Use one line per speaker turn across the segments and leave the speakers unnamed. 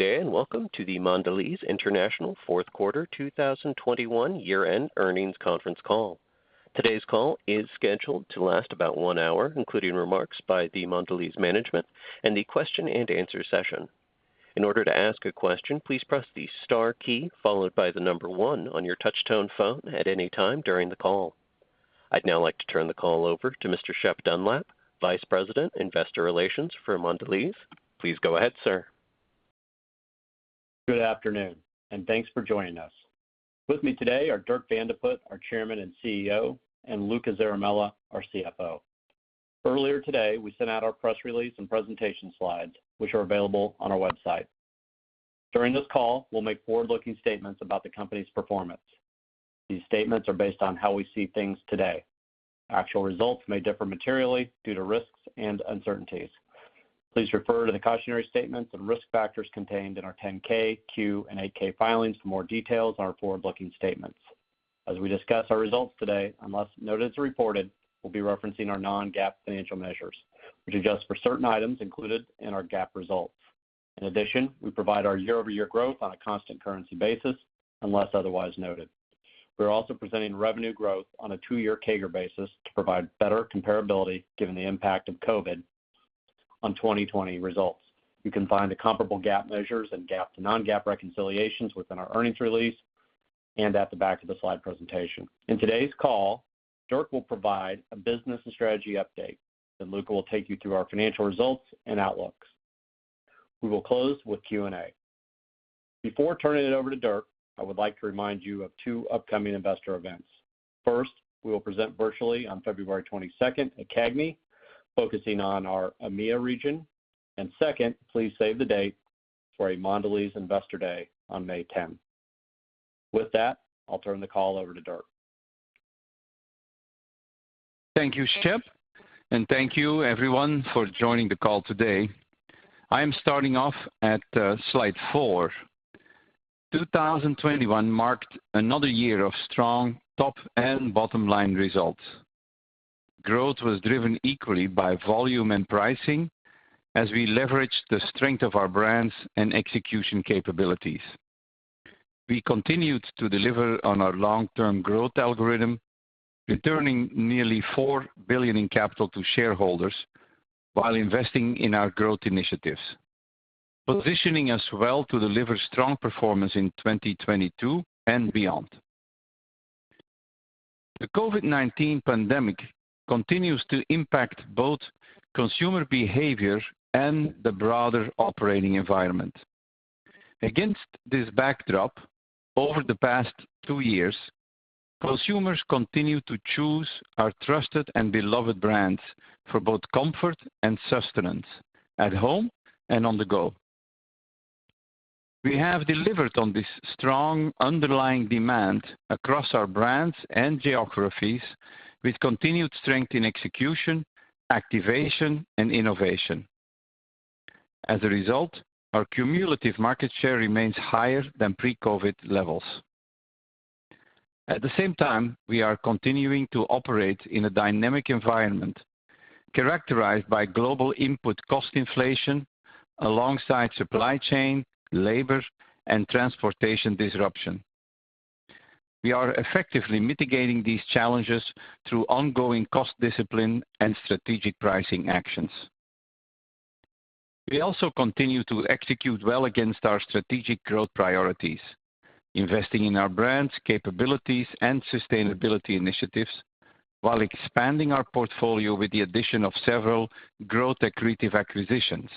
Good day, and welcome to the Mondelez International fourth quarter 2021 year-end earnings conference call. Today's call is scheduled to last about 1 hour, including remarks by the Mondelez management and the question and answer session. In order to ask a question, please press the star key followed by the number one on your touch tone phone at any time during the call. I'd now like to turn the call over to Mr. Shep Dunlap, Vice President, Investor Relations for Mondelez. Please go ahead, sir.
Good afternoon, and thanks for joining us. With me today are Dirk Van de Put, our Chairman and CEO, and Luca Zaramella, our CFO. Earlier today, we sent out our press release and presentation slides, which are available on our website. During this call, we'll make forward-looking statements about the company's performance. These statements are based on how we see things today. Actual results may differ materially due to risks and uncertainties. Please refer to the cautionary statements and risk factors contained in our 10-K, 10-Q, and 8-K filings for more details on our forward-looking statements. As we discuss our results today, unless noted as reported, we'll be referencing our non-GAAP financial measures, which adjust for certain items included in our GAAP results. In addition, we provide our year-over-year growth on a constant currency basis, unless otherwise noted. We're also presenting revenue growth on a two-year CAGR basis to provide better comparability given the impact of COVID on 2020 results. You can find the comparable GAAP measures and GAAP to non-GAAP reconciliations within our earnings release and at the back of the slide presentation. In today's call, Dirk will provide a business and strategy update, then Luca will take you through our financial results and outlooks. We will close with Q&A. Before turning it over to Dirk, I would like to remind you of two upcoming investor events. First, we will present virtually on February 22 at CAGNY, focusing on our EMEA region. Second, please save the date for our Mondelēz Investor Day on May 10. With that, I'll turn the call over to Dirk.
Thank you, Shep, and thank you everyone for joining the call today. I am starting off at slide four. 2021 marked another year of strong top and bottom line results. Growth was driven equally by volume and pricing as we leveraged the strength of our brands and execution capabilities. We continued to deliver on our long-term growth algorithm, returning nearly $4 billion in capital to shareholders while investing in our growth initiatives, positioning us well to deliver strong performance in 2022 and beyond. The COVID-19 pandemic continues to impact both consumer behavior and the broader operating environment. Against this backdrop, over the past two years, consumers continue to choose our trusted and beloved brands for both comfort and sustenance at home and on the go. We have delivered on this strong underlying demand across our brands and geographies with continued strength in execution, activation, and innovation. As a result, our cumulative market share remains higher than pre-COVID levels. At the same time, we are continuing to operate in a dynamic environment characterized by global input cost inflation alongside supply chain, labor, and transportation disruption. We are effectively mitigating these challenges through ongoing cost discipline and strategic pricing actions. We also continue to execute well against our strategic growth priorities, investing in our brands, capabilities, and sustainability initiatives while expanding our portfolio with the addition of several growth accretive acquisitions,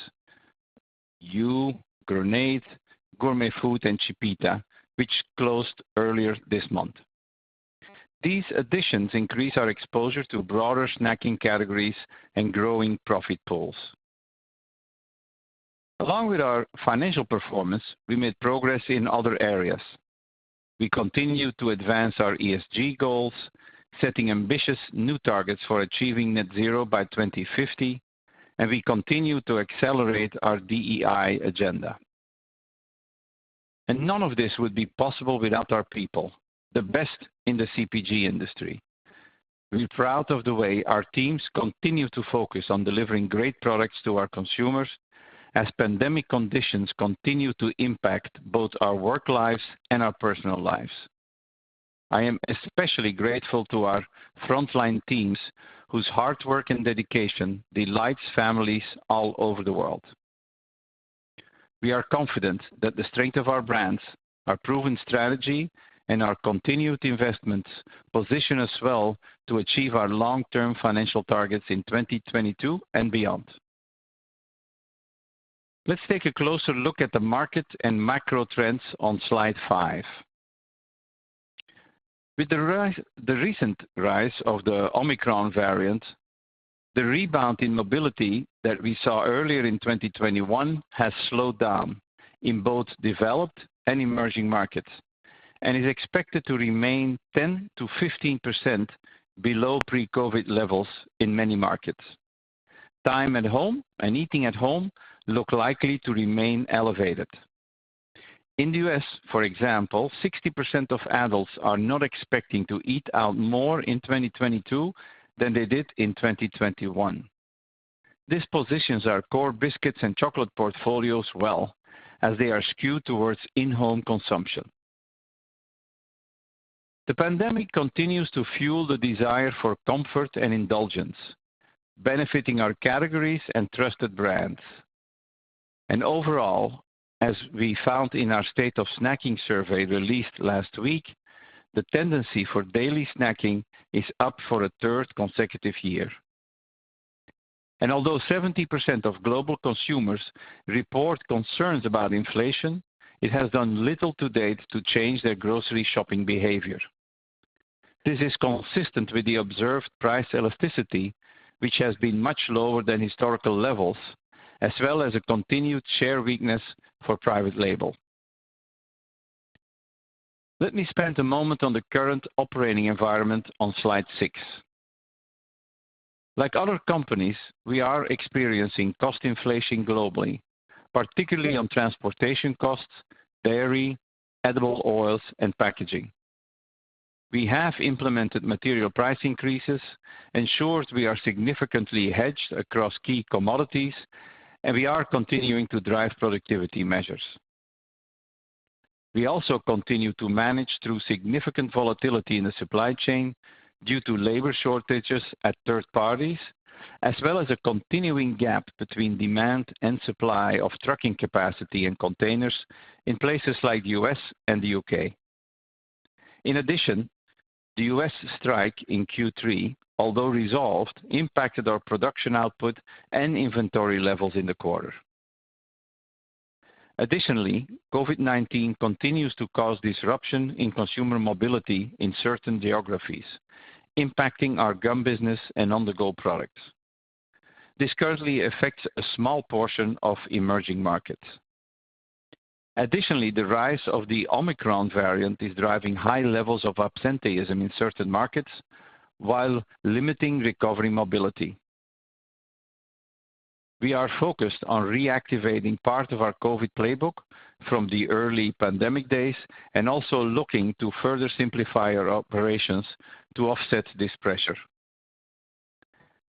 Hu, Grenade, Gourmet Food, and Chipita, which closed earlier this month. These additions increase our exposure to broader snacking categories and growing profit pools. Along with our financial performance, we made progress in other areas. We continue to advance our ESG goals, setting ambitious new targets for achieving net zero by 2050, and we continue to accelerate our DEI agenda. None of this would be possible without our people, the best in the CPG industry. We're proud of the way our teams continue to focus on delivering great products to our consumers as pandemic conditions continue to impact both our work lives and our personal lives. I am especially grateful to our frontline teams whose hard work and dedication delights families all over the world. We are confident that the strength of our brands, our proven strategy, and our continued investments position us well to achieve our long-term financial targets in 2022 and beyond. Let's take a closer look at the market and macro trends on slide five. With the recent rise of the Omicron variant, the rebound in mobility that we saw earlier in 2021 has slowed down in both developed and emerging markets and is expected to remain 10%-15% below pre-COVID-19 levels in many markets. Time at home and eating at home look likely to remain elevated. In the U.S., for example, 60% of adults are not expecting to eat out more in 2022 than they did in 2021. This positions our core biscuits and chocolate portfolios well as they are skewed towards in-home consumption. The pandemic continues to fuel the desire for comfort and indulgence, benefiting our categories and trusted brands. Overall, as we found in our state of snacking survey released last week, the tendency for daily snacking is up for a third consecutive year. Although 70% of global consumers report concerns about inflation, it has done little to date to change their grocery shopping behavior. This is consistent with the observed price elasticity, which has been much lower than historical levels, as well as a continued share weakness for private label. Let me spend a moment on the current operating environment on slide six. Like other companies, we are experiencing cost inflation globally, particularly on transportation costs, dairy, edible oils, and packaging. We have implemented material price increases, ensured we are significantly hedged across key commodities, and we are continuing to drive productivity measures. We also continue to manage through significant volatility in the supply chain due to labor shortages at third parties, as well as a continuing gap between demand and supply of trucking capacity and containers in places like the U.S. and the U.K. In addition, the U.S. strike in Q3, although resolved, impacted our production output and inventory levels in the quarter. Additionally, COVID-19 continues to cause disruption in consumer mobility in certain geographies, impacting our gum business and on-the-go products. This currently affects a small portion of emerging markets. Additionally, the rise of the Omicron variant is driving high levels of absenteeism in certain markets while limiting recovery mobility. We are focused on reactivating part of our COVID playbook from the early pandemic days and also looking to further simplify our operations to offset this pressure.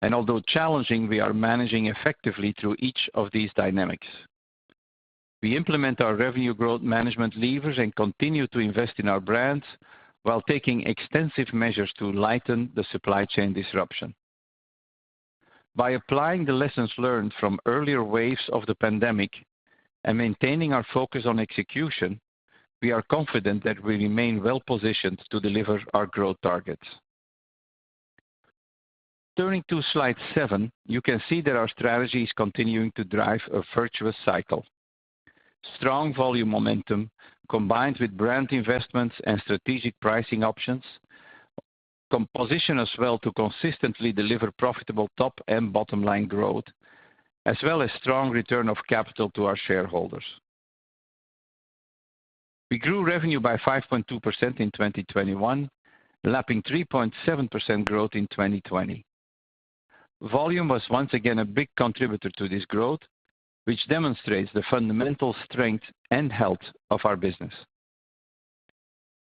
Although challenging, we are managing effectively through each of these dynamics. We implement our revenue growth management levers and continue to invest in our brands while taking extensive measures to lighten the supply chain disruption. By applying the lessons learned from earlier waves of the pandemic and maintaining our focus on execution, we are confident that we remain well positioned to deliver our growth targets. Turning to slide seven, you can see that our strategy is continuing to drive a virtuous cycle. Strong volume momentum combined with brand investments and strategic pricing, optimal composition as well to consistently deliver profitable top and bottom line growth, as well as strong return of capital to our shareholders. We grew revenue by 5.2% in 2021, lapping 3.7% growth in 2020. Volume was once again a big contributor to this growth, which demonstrates the fundamental strength and health of our business.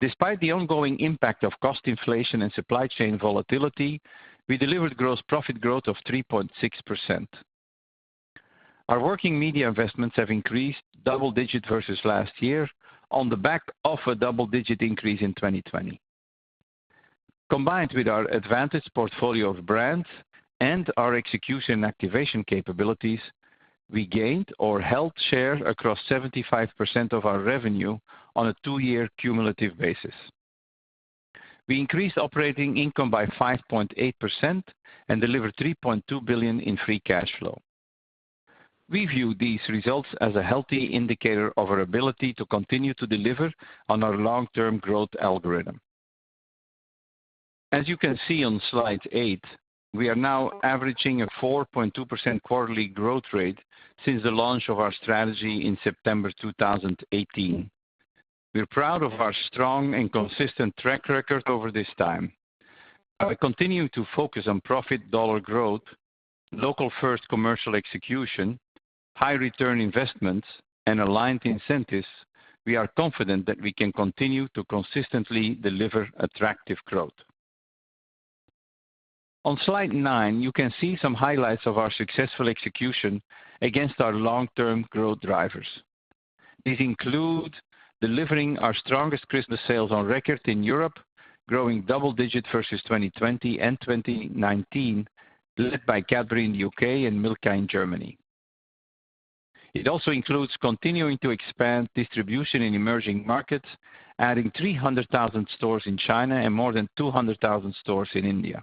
Despite the ongoing impact of cost inflation and supply chain volatility, we delivered gross profit growth of 3.6%. Our working media investments have increased double digits versus last year on the back of a double-digit increase in 2020. Combined with our advantage portfolio of brands and our execution activation capabilities, we gained or held share across 75% of our revenue on a two-year cumulative basis. We increased operating income by 5.8% and delivered $3.2 billion in free cash flow. We view these results as a healthy indicator of our ability to continue to deliver on our long-term growth algorithm. As you can see on slide eight, we are now averaging a 4.2% quarterly growth rate since the launch of our strategy in September 2018. We're proud of our strong and consistent track record over this time. As we continue to focus on profit dollar growth, local first commercial execution, high return investments, and aligned incentives, we are confident that we can continue to consistently deliver attractive growth. On slide nine, you can see some highlights of our successful execution against our long-term growth drivers. These include delivering our strongest Christmas sales on record in Europe, growing double digits versus 2020 and 2019, led by Cadbury in U.K. and Milka in Germany. It also includes continuing to expand distribution in emerging markets, adding 300,000 stores in China and more than 200,000 stores in India.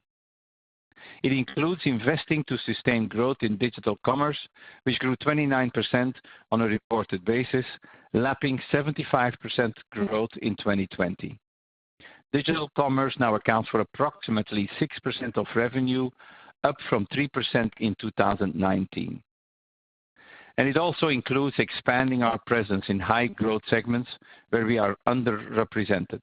It includes investing to sustain growth in digital commerce, which grew 29% on a reported basis, lapping 75% growth in 2020. Digital commerce now accounts for approximately 6% of revenue, up from 3% in 2019. It also includes expanding our presence in high growth segments where we are underrepresented,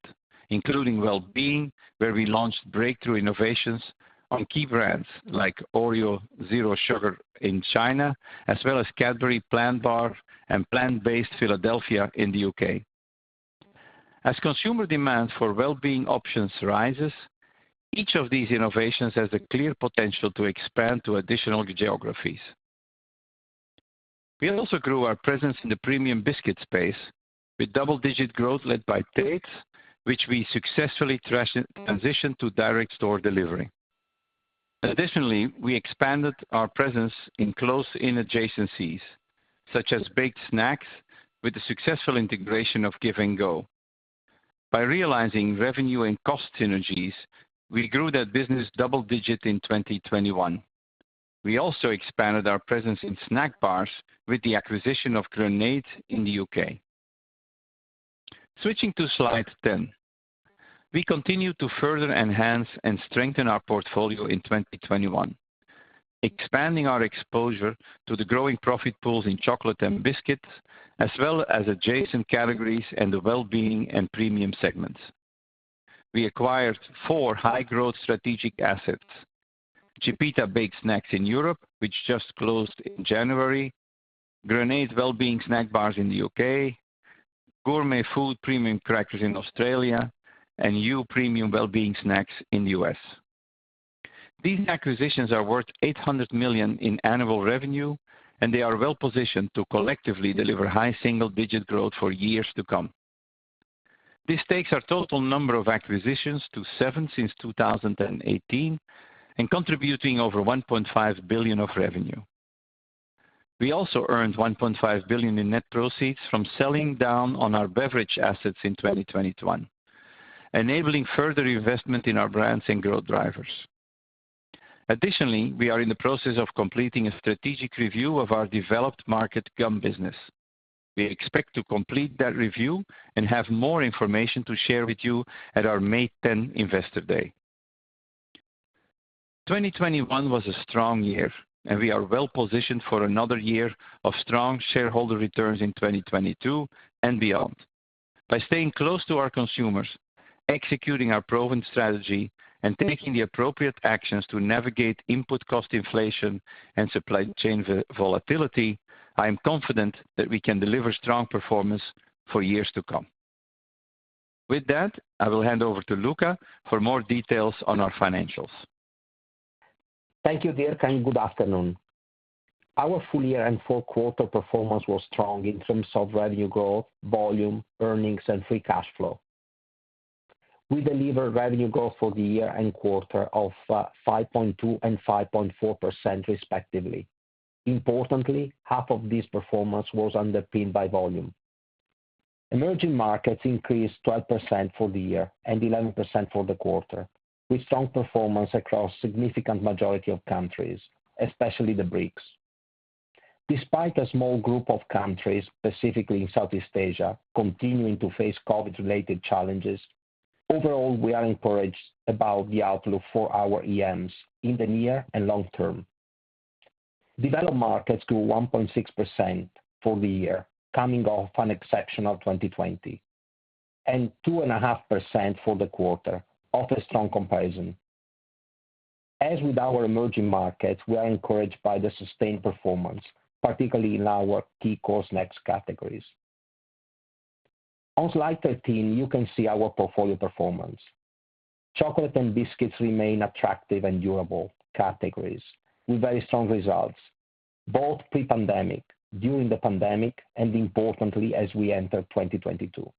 including wellbeing, where we launched breakthrough innovations on key brands like Oreo Zero in China, as well as Cadbury Plant Bar and plant-based Philadelphia in the U.K. As consumer demand for wellbeing options rises, each of these innovations has a clear potential to expand to additional geographies. We also grew our presence in the premium biscuit space with double-digit growth led by Tate's, which we successfully transitioned to direct store delivery. Additionally, we expanded our presence in close-in adjacencies, such as baked snacks with the successful integration of Give & Go. By realizing revenue and cost synergies, we grew that business double-digit in 2021. We also expanded our presence in snack bars with the acquisition of Grenade in the U.K. Switching to slide 10. We continue to further enhance and strengthen our portfolio in 2021, expanding our exposure to the growing profit pools in chocolate and biscuits, as well as adjacent categories and the wellbeing and premium segments. We acquired four high-growth strategic assets. Chipita baked snacks in Europe, which just closed in January, Grenade wellbeing snack bars in the U.K., Gourmet Food Holdings premium crackers in Australia, and Hu premium wellbeing snacks in the U.S. These acquisitions are worth $800 million in annual revenue, and they are well-positioned to collectively deliver high single-digit growth for years to come. This takes our total number of acquisitions to seven since 2018 and contributing over $1.5 billion of revenue. We also earned $1.5 billion in net proceeds from selling down on our beverage assets in 2021, enabling further investment in our brands and growth drivers. Additionally, we are in the process of completing a strategic review of our developed market gum business. We expect to complete that review and have more information to share with you at our May tenth Investor Day. 2021 was a strong year, and we are well positioned for another year of strong shareholder returns in 2022 and beyond. By staying close to our consumers, executing our proven strategy, and taking the appropriate actions to navigate input cost inflation and supply chain volatility, I am confident that we can deliver strong performance for years to come. With that, I will hand over to Luca for more details on our financials.
Thank you, Dirk, and good afternoon. Our full year and fourth quarter performance was strong in terms of revenue growth, volume, earnings, and free cash flow. We delivered revenue growth for the year and quarter of 5.2% and 5.4%, respectively. Importantly, half of this performance was underpinned by volume. Emerging markets increased 12% for the year and 11% for the quarter, with strong performance across significant majority of countries, especially the BRICS. Despite a small group of countries, specifically in Southeast Asia, continuing to face COVID-related challenges, overall, we are encouraged about the outlook for our EMs in the near and long term. Developed markets grew 1.6% for the year, coming off an exceptional 2020, and 2.5% for the quarter of a strong comparison. As with our emerging markets, we are encouraged by the sustained performance, particularly in our key core snacks categories. On slide 13, you can see our portfolio performance. Chocolate and biscuits remain attractive and durable categories with very strong results, both pre-pandemic, during the pandemic, and importantly, as we enter 2022.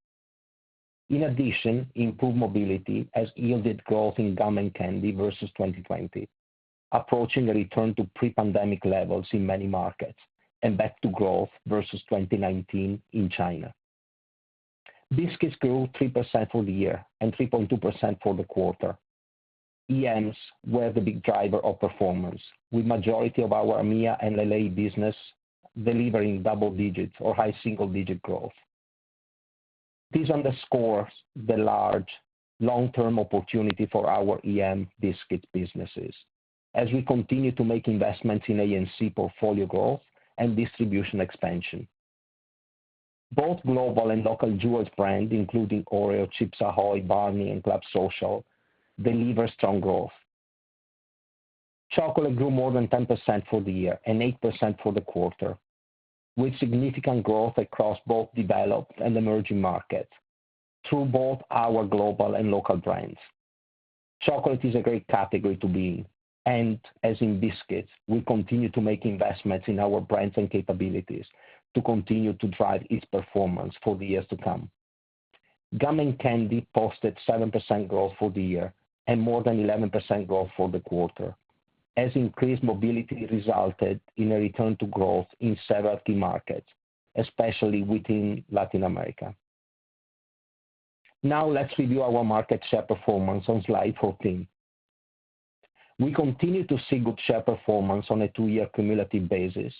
In addition, improved mobility has yielded growth in gum and candy versus 2020, approaching a return to pre-pandemic levels in many markets and back to growth versus 2019 in China. Biscuits grew 3% for the year and 3.2% for the quarter. EMs were the big driver of performance, with majority of our EMEA and LA business delivering double digits or high single-digit growth. This underscores the large long-term opportunity for our EM biscuit businesses as we continue to make investments in A&C portfolio growth and distribution expansion. Both global and local power brands, including Oreo, Chips Ahoy!, Barni, and Club Social deliver strong growth. Chocolate grew more than 10% for the year and 8% for the quarter, with significant growth across both developed and emerging markets through both our global and local brands. Chocolate is a great category to be in, and as in biscuits, we continue to make investments in our brands and capabilities to continue to drive its performance for the years to come. Gum and candy posted 7% growth for the year and more than 11% growth for the quarter as increased mobility resulted in a return to growth in several key markets, especially within Latin America. Now, let's review our market share performance on slide 14. We continue to see good share performance on a two-year cumulative basis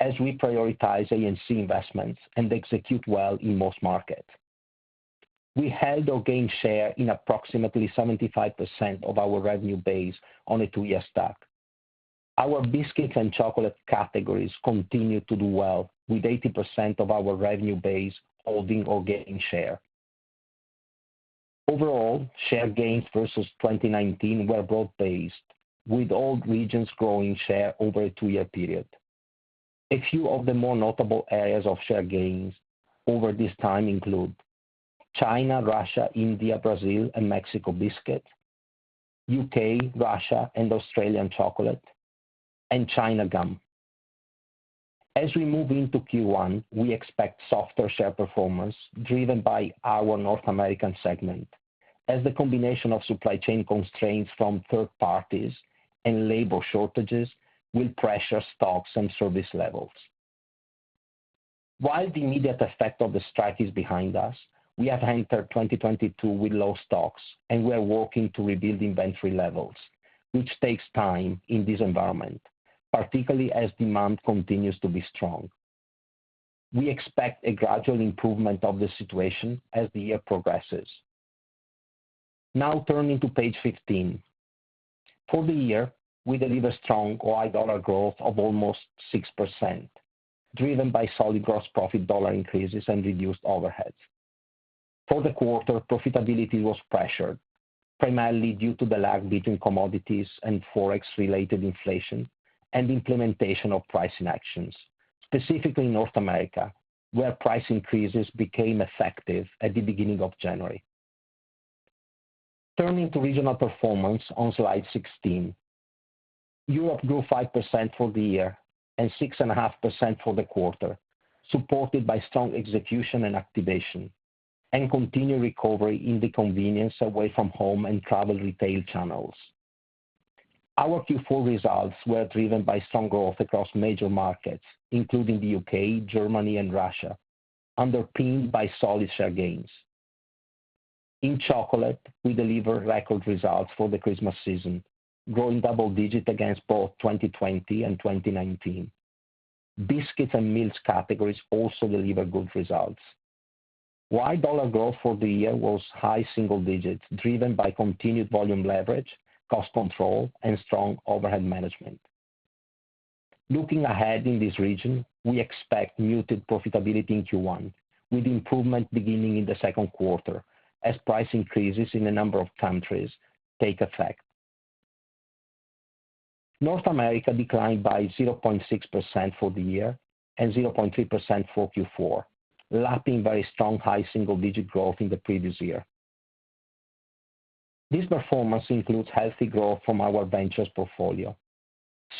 as we prioritize A&C investments and execute well in most markets. We held or gained share in approximately 75% of our revenue base on a two-year stack. Our biscuits and chocolate categories continue to do well with 80% of our revenue base holding or gaining share. Overall, share gains versus 2019 were broad-based, with all regions growing share over a two-year period. A few of the more notable areas of share gains over this time include China, Russia, India, Brazil and Mexico biscuit, U.K., Russia and Australian chocolate, and China gum. As we move into Q1, we expect softer share performance driven by our North American segment, as the combination of supply chain constraints from third parties and labor shortages will pressure stocks and service levels. While the immediate effect of the strike is behind us, we have entered 2022 with low stocks, and we are working to rebuild inventory levels, which takes time in this environment, particularly as demand continues to be strong. We expect a gradual improvement of the situation as the year progresses. Now turning to page 15. For the year, we delivered strong OI dollar growth of almost 6%, driven by solid gross profit dollar increases and reduced overheads. For the quarter, profitability was pressured, primarily due to the lag between commodities and forex-related inflation and implementation of pricing actions, specifically in North America, where price increases became effective at the beginning of January. Turning to regional performance on slide 16. Europe grew 5% for the year and 6.5% for the quarter, supported by strong execution and activation and continued recovery in the convenience away from home and travel retail channels. Our Q4 results were driven by strong growth across major markets, including the U.K., Germany and Russia, underpinned by solid share gains. In chocolate, we delivered record results for the Christmas season, growing double digits against both 2020 and 2019. Biscuits and meals categories also delivered good results. OI dollar growth for the year was high single digits, driven by continued volume leverage, cost control and strong overhead management. Looking ahead in this region, we expect muted profitability in Q1, with improvement beginning in the second quarter as price increases in a number of countries take effect. North America declined by 0.6% for the year and 0.3% for Q4, lapping very strong high single-digit growth in the previous year. This performance includes healthy growth from our ventures portfolio.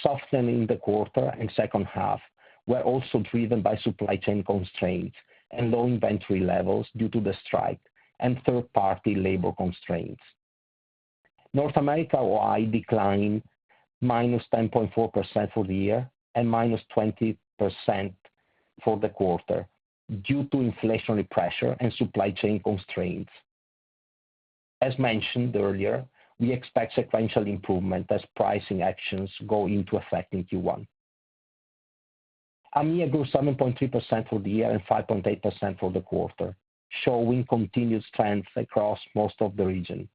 Softening in the quarter and second half were also driven by supply chain constraints and low inventory levels due to the strike and third-party labor constraints. North America OI declined -10.4% for the year and -20% for the quarter due to inflationary pressure and supply chain constraints. As mentioned earlier, we expect sequential improvement as pricing actions go into effect in Q1. EMEA grew 7.3% for the year and 5.8% for the quarter, showing continued strength across most of the region.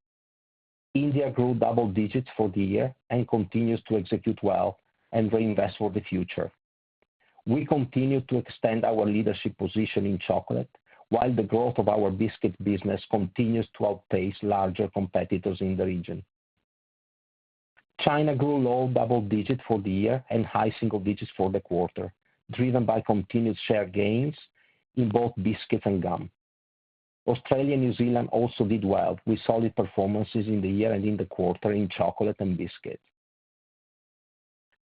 India grew double digits for the year and continues to execute well and reinvest for the future. We continue to extend our leadership position in chocolate while the growth of our biscuit business continues to outpace larger competitors in the region. China grew low double digits for the year and high single digits for the quarter, driven by continued share gains in both biscuits and gum. Australia and New Zealand also did well with solid performances in the year and in the quarter in chocolate and biscuits.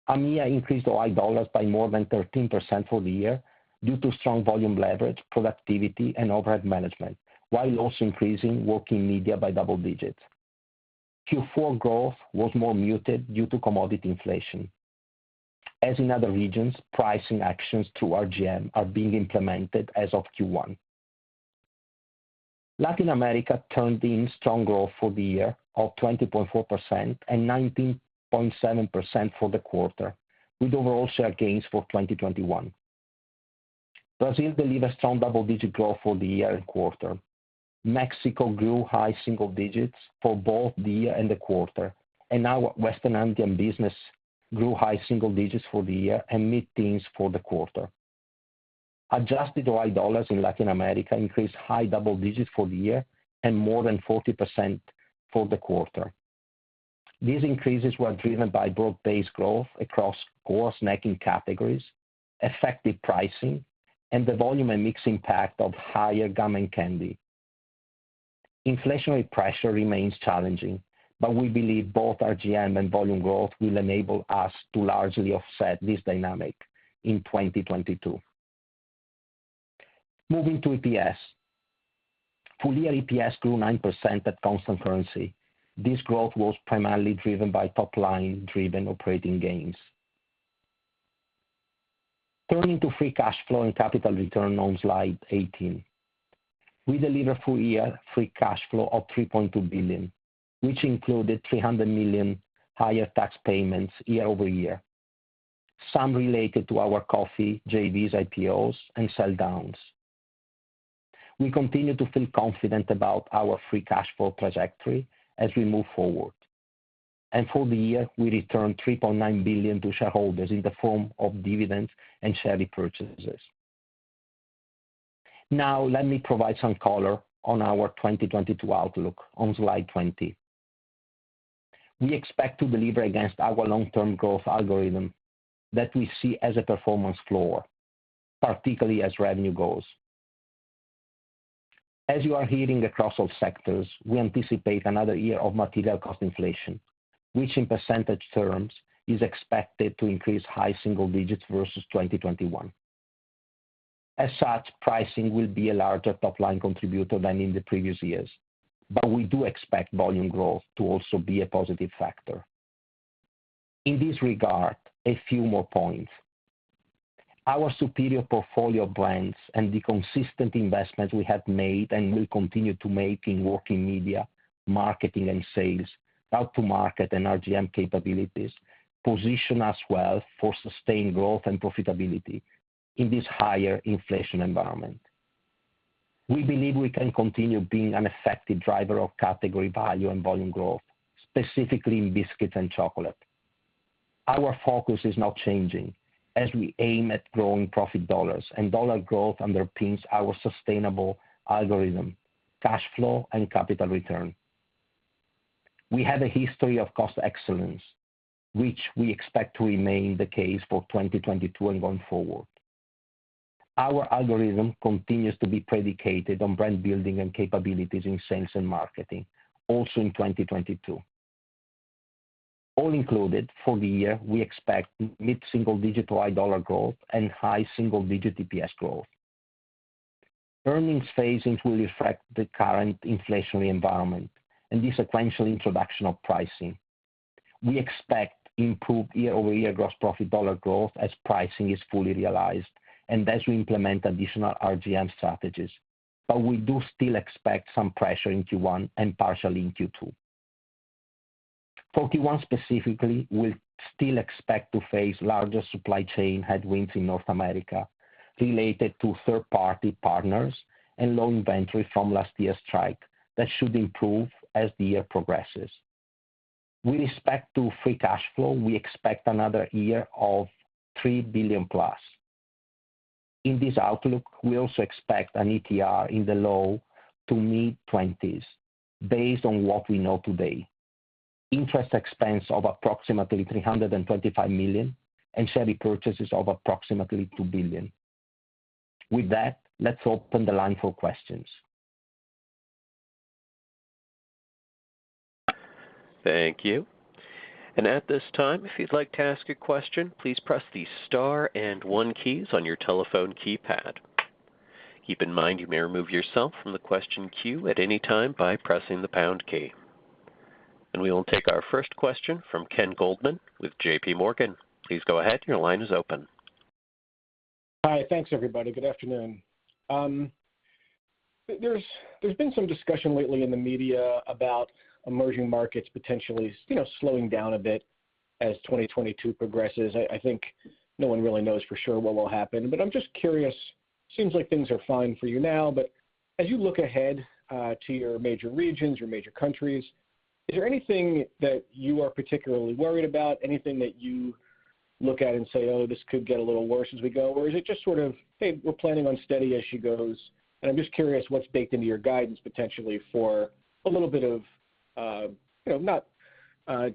EMEA increased OI dollars by more than 13% for the year due to strong volume leverage, productivity and overhead management, while also increasing working media by double digits. Q4 growth was more muted due to commodity inflation. As in other regions, pricing actions through RGM are being implemented as of Q1. Latin America turned in strong growth for the year of 20.4% and 19.7% for the quarter, with overall share gains for 2021. Brazil delivered strong double-digit growth for the year and quarter. Mexico grew high single digits for both the year and the quarter, and our Western Andean business grew high single digits for the year and mid-teens for the quarter. Adjusted OI dollars in Latin America increased high double digits for the year and more than 40% for the quarter. These increases were driven by broad-based growth across core snacking categories, effective pricing, and the volume and mix impact of higher gum and candy. Inflationary pressure remains challenging, but we believe both RGM and volume growth will enable us to largely offset this dynamic in 2022. Moving to EPS. Full year EPS grew 9% at constant currency. This growth was primarily driven by top-line driven operating gains. Turning to free cash flow and capital return on slide 18. We delivered full-year free cash flow of $3.2 billion, which included $300 million higher tax payments year-over-year, some related to our coffee JVs, IPOs and sell-downs. We continue to feel confident about our free cash flow trajectory as we move forward. For the year, we returned $3.9 billion to shareholders in the form of dividends and share repurchases. Now let me provide some color on our 2022 outlook on slide 20. We expect to deliver against our long-term growth algorithm that we see as a performance floor, particularly as revenue grows. As you are hearing across all sectors, we anticipate another year of material cost inflation, which in percentage terms is expected to increase high single digits versus 2021. As such, pricing will be a larger top-line contributor than in the previous years. We do expect volume growth to also be a positive factor. In this regard, a few more points. Our superior portfolio of brands and the consistent investments we have made and will continue to make in working media, marketing and sales, go-to-market and RGM capabilities position us well for sustained growth and profitability in this higher inflation environment. We believe we can continue being an effective driver of category value and volume growth, specifically in biscuits and chocolate. Our focus is now changing as we aim at growing profit dollars, and dollar growth underpins our sustainable algorithm, cash flow and capital return. We have a history of cost excellence, which we expect to remain the case for 2022 and going forward. Our algorithm continues to be predicated on brand building and capabilities in sales and marketing, also in 2022. All included, for the year, we expect mid-single-digit high-dollar growth and high single-digit EPS growth. Earnings phasing will reflect the current inflationary environment and the sequential introduction of pricing. We expect improved year-over-year gross profit dollar growth as pricing is fully realized and as we implement additional RGM strategies. We do still expect some pressure in Q1 and partially in Q2. Q1 specifically will still expect to face larger supply chain headwinds in North America related to third-party partners and low inventory from last year's strike. That should improve as the year progresses. With respect to free cash flow, we expect another year of $3 billion-plus. In this outlook, we also expect an ETR in the low- to mid-20s% based on what we know today. Interest expense of approximately $325 million, and share repurchases of approximately $2 billion. With that, let's open the line for questions.
Thank you. At this time, if you'd like to ask a question, please press the star and one keys on your telephone keypad. Keep in mind, you may remove yourself from the question queue at any time by pressing the pound key. We will take our first question from Ken Goldman with J.P. Morgan. Please go ahead. Your line is open.
Hi. Thanks, everybody. Good afternoon. There's been some discussion lately in the media about emerging markets potentially, you know, slowing down a bit as 2022 progresses. I think no one really knows for sure what will happen, but I'm just curious, seems like things are fine for you now, but as you look ahead to your major regions, your major countries, is there anything that you are particularly worried about? Anything that you look at and say, "Oh, this could get a little worse as we go," or is it just sort of, "Hey, we're planning on steady as she goes"? I'm just curious what's baked into your guidance potentially for a little bit of, you know, not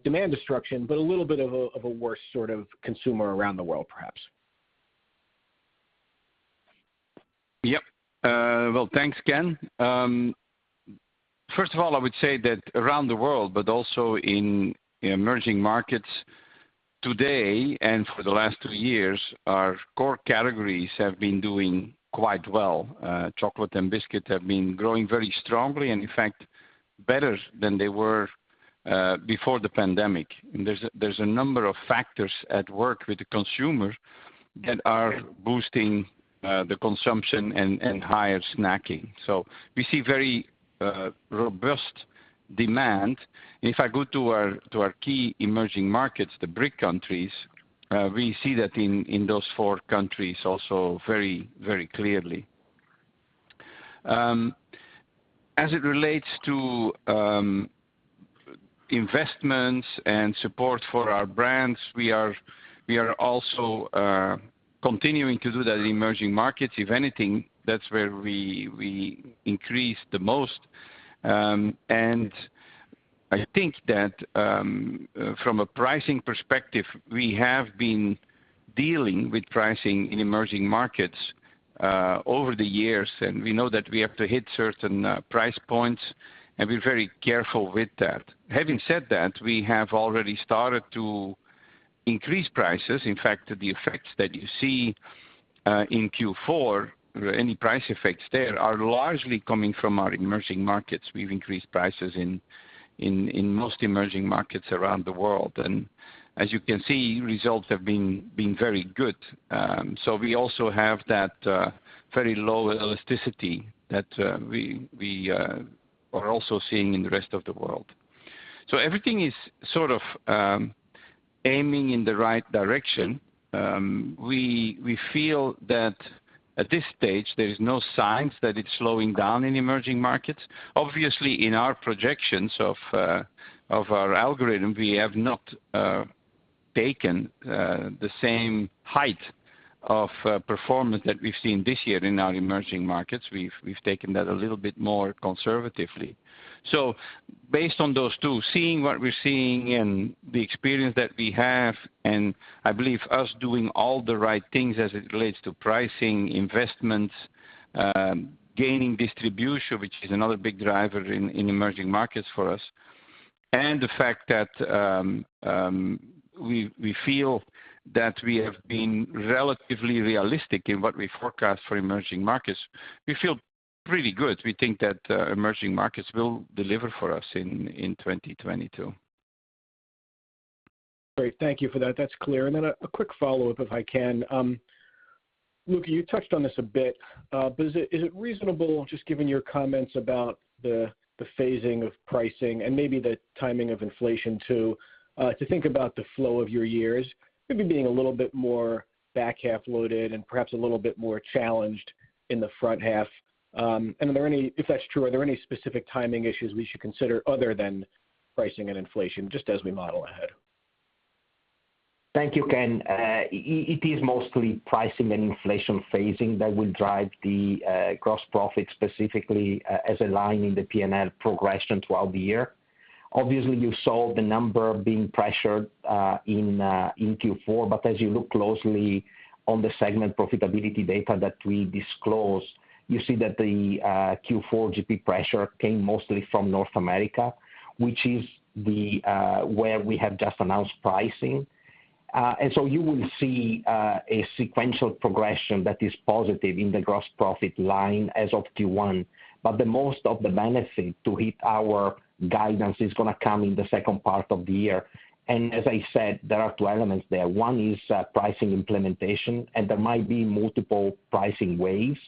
demand destruction, but a little bit of a worse sort of consumer around the world, perhaps.
Yep. Well, thanks, Ken. First of all, I would say that around the world, but also in emerging markets today and for the last two years, our core categories have been doing quite well. Chocolate and biscuit have been growing very strongly, and in fact, better than they were before the pandemic. There's a number of factors at work with the consumer that are boosting the consumption and higher snacking. We see very robust demand. If I go to our key emerging markets, the BRIC countries, we see that in those four countries also very clearly. As it relates to investments and support for our brands, we are also continuing to do that in emerging markets. If anything, that's where we increase the most. I think that from a pricing perspective, we have been dealing with pricing in emerging markets over the years, and we know that we have to hit certain price points, and we're very careful with that. Having said that, we have already started to increase prices. In fact, the effects that you see in Q4, any price effects there are largely coming from our emerging markets. We've increased prices in most emerging markets around the world. As you can see, results have been very good. We also have that very low elasticity that we are also seeing in the rest of the world. Everything is sort of aiming in the right direction. We feel that at this stage, there is no signs that it's slowing down in emerging markets. Obviously, in our projections of our algorithm, we have not taken the same height of performance that we've seen this year in our emerging markets. We've taken that a little bit more conservatively. Based on those two, seeing what we're seeing and the experience that we have. And I believe us doing all the right things as it relates to pricing, investments, gaining distribution, which is another big driver in emerging markets for us, and the fact that we feel that we have been relatively realistic in what we forecast for emerging markets, we feel pretty good. We think that emerging markets will deliver for us in 2022.
Great. Thank you for that. That's clear. A quick follow-up, if I can. Luca, you touched on this a bit, but is it reasonable, just given your comments about the phasing of pricing and maybe the timing of inflation too, to think about the flow of your years maybe being a little bit more back half loaded and perhaps a little bit more challenged in the front half? And if that's true, are there any specific timing issues we should consider other than pricing and inflation just as we model ahead?
Thank you, Ken. It is mostly pricing and inflation phasing that will drive the gross profit specifically as a line in the P&L progression throughout the year. Obviously, you saw the number being pressured in Q4. As you look closely on the segment profitability data that we disclosed, you see that the Q4 GP pressure came mostly from North America, which is where we have just announced pricing. You will see a sequential progression that is positive in the gross profit line as of Q1. The most of the benefit to hit our guidance is gonna come in the second part of the year. As I said, there are two elements there. One is pricing implementation, and there might be multiple pricing waves.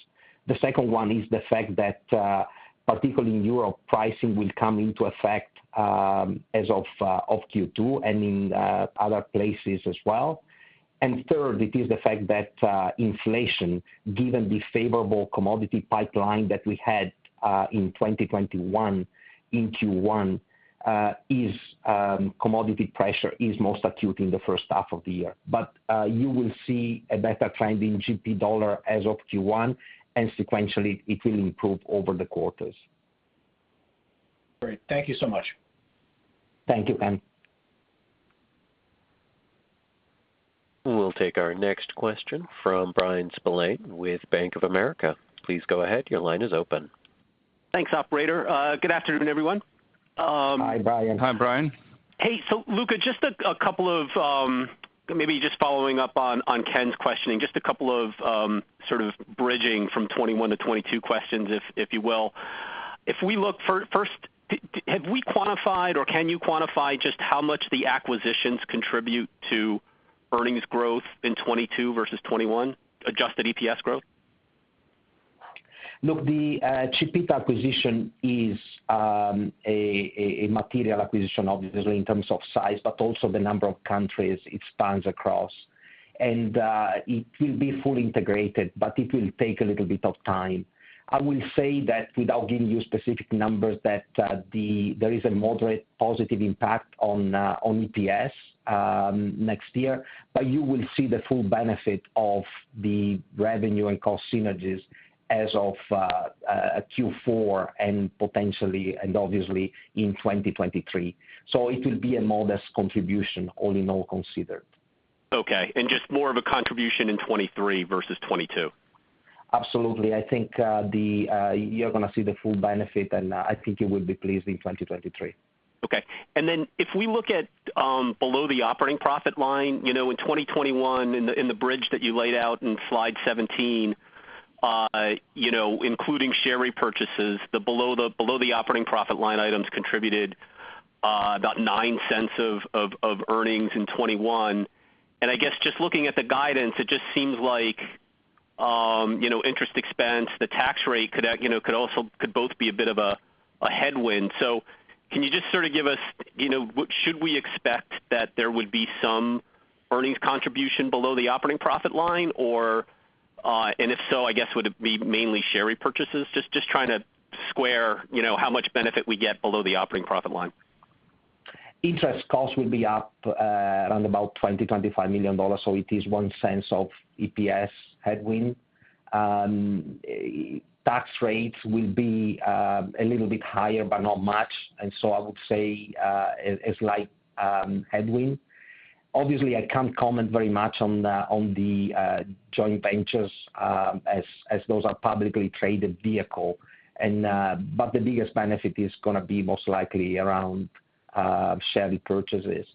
The second one is the fact that, particularly in Europe, pricing will come into effect as of Q2 and in other places as well. Third, it is the fact that inflation, given the favorable commodity pipeline that we had in 2021 in Q1, commodity pressure is most acute in the first half of the year. You will see a better trend in GP dollar as of Q1, and sequentially, it will improve over the quarters.
Great. Thank you so much.
Thank you, Ken.
We'll take our next question from Bryan Spillane with Bank of America. Please go ahead, your line is open.
Thanks, operator. Good afternoon, everyone.
Hi, Bryan.
Hi, Bryan.
Hey. Luca, just a couple of maybe just following up on Ken's questioning, just a couple of sort of bridging from 2021 to 2022 questions, if you will. If we look first, have we quantified or can you quantify just how much the acquisitions contribute to earnings growth in 2022 versus 2021, adjusted EPS growth?
Look, the Chipita acquisition is a material acquisition obviously in terms of size, but also the number of countries it spans across. It will be fully integrated, but it will take a little bit of time. I will say that without giving you specific numbers that there is a moderate positive impact on EPS next year. You will see the full benefit of the revenue and cost synergies as of Q4 and potentially and obviously in 2023. It will be a modest contribution all in all considered.
Okay, just more of a contribution in 2023 versus 2022?
Absolutely. I think you're gonna see the full benefit, and I think you will be pleased in 2023.
Okay. Then if we look at below the operating profit line, you know, in 2021 in the bridge that you laid out in slide 17, you know, including share repurchases, the below the operating profit line items contributed about $0.09 of earnings in 2021. I guess just looking at the guidance, it just seems like, you know, interest expense, the tax rate could both be a bit of a headwind. Can you just sort of give us, you know, should we expect that there would be some earnings contribution below the operating profit line or, and if so, I guess, would it be mainly share repurchases? Just trying to square, you know, how much benefit we get below the operating profit line.
Interest costs will be up around $20 million-$25 million, so it is one sense of EPS headwind. Tax rates will be a little bit higher, but not much. I would say a slight headwind. Obviously, I can't comment very much on the joint ventures as those are publicly traded vehicle. The biggest benefit is gonna be most likely around share repurchases.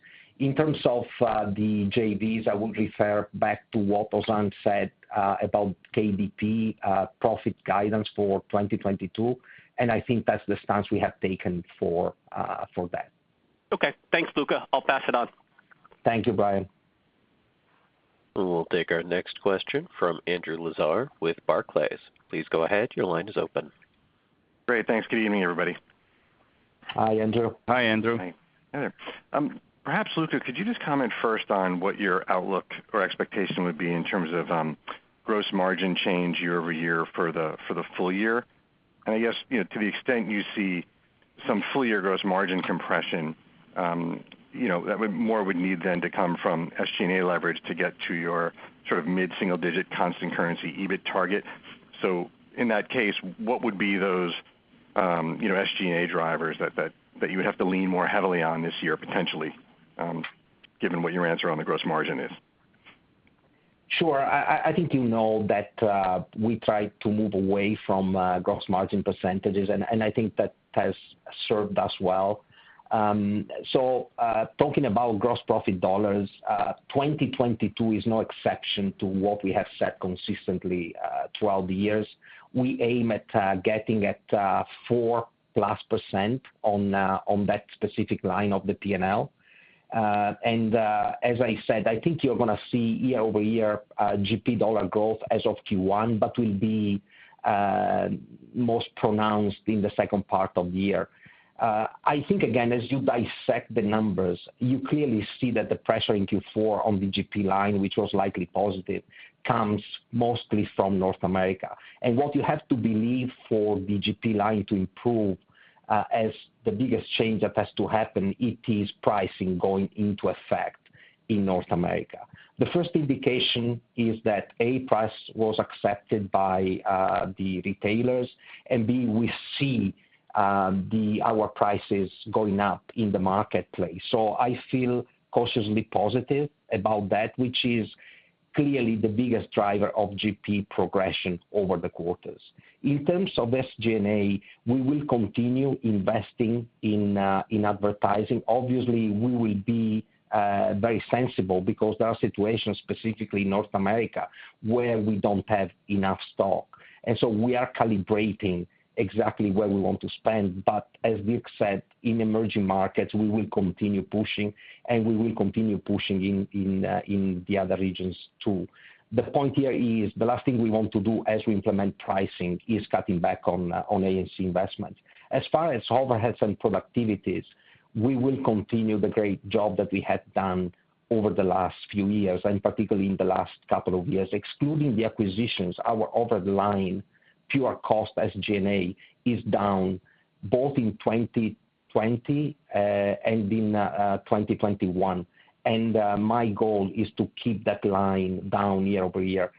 In terms of the JVs, I would refer back to what Bob Gamgort said about KDP profit guidance for 2022, and I think that's the stance we have taken for that.
Okay. Thanks, Luca. I'll pass it on.
Thank you, Bryan.
We'll take our next question from Andrew Lazar with Barclays. Please go ahead. Your line is open.
Great. Thanks. Good evening, everybody.
Hi, Andrew.
Hi, Andrew.
Hi there. Perhaps Luca, could you just comment first on what your outlook or expectation would be in terms of gross margin change year-over-year for the full year? I guess, you know, to the extent you see some full year gross margin compression, you know, that would more need then to come from SG&A leverage to get to your sort of mid-single digit constant currency EBIT target. In that case, what would be those, you know, SG&A drivers that you would have to lean more heavily on this year potentially, given what your answer on the gross margin is?
Sure. I think you know that we try to move away from gross margin percentages, and I think that has served us well. So, talking about gross profit dollars, 2022 is no exception to what we have said consistently throughout the years. We aim at getting at 4%+ on that specific line of the P&L. As I said, I think you're gonna see year-over-year GP dollar growth as of Q1, but will be most pronounced in the second part of the year. I think again, as you dissect the numbers, you clearly see that the pressure in Q4 on the GP line, which was likely positive, comes mostly from North America. What you have to believe for the GP line to improve, as the biggest change that has to happen, it is pricing going into effect in North America. The first indication is that, A, price was accepted by the retailers, and B, we see our prices going up in the marketplace. I feel cautiously positive about that, which is clearly the biggest driver of GP progression over the quarters. In terms of SG&A, we will continue investing in advertising. Obviously, we will be very sensible because there are situations, specifically in North America, where we don't have enough stock. We are calibrating exactly where we want to spend. But as Luc said, in emerging markets, we will continue pushing, and we will continue pushing in the other regions too. The point here is the last thing we want to do as we implement pricing is cutting back on A&C investments. As far as overheads and productivities, we will continue the great job that we have done over the last few years, and particularly in the last couple of years. Excluding the acquisitions, our overhead line pure cost SG&A is down both in 2020 and in 2021. My goal is to keep that line down year-over-year.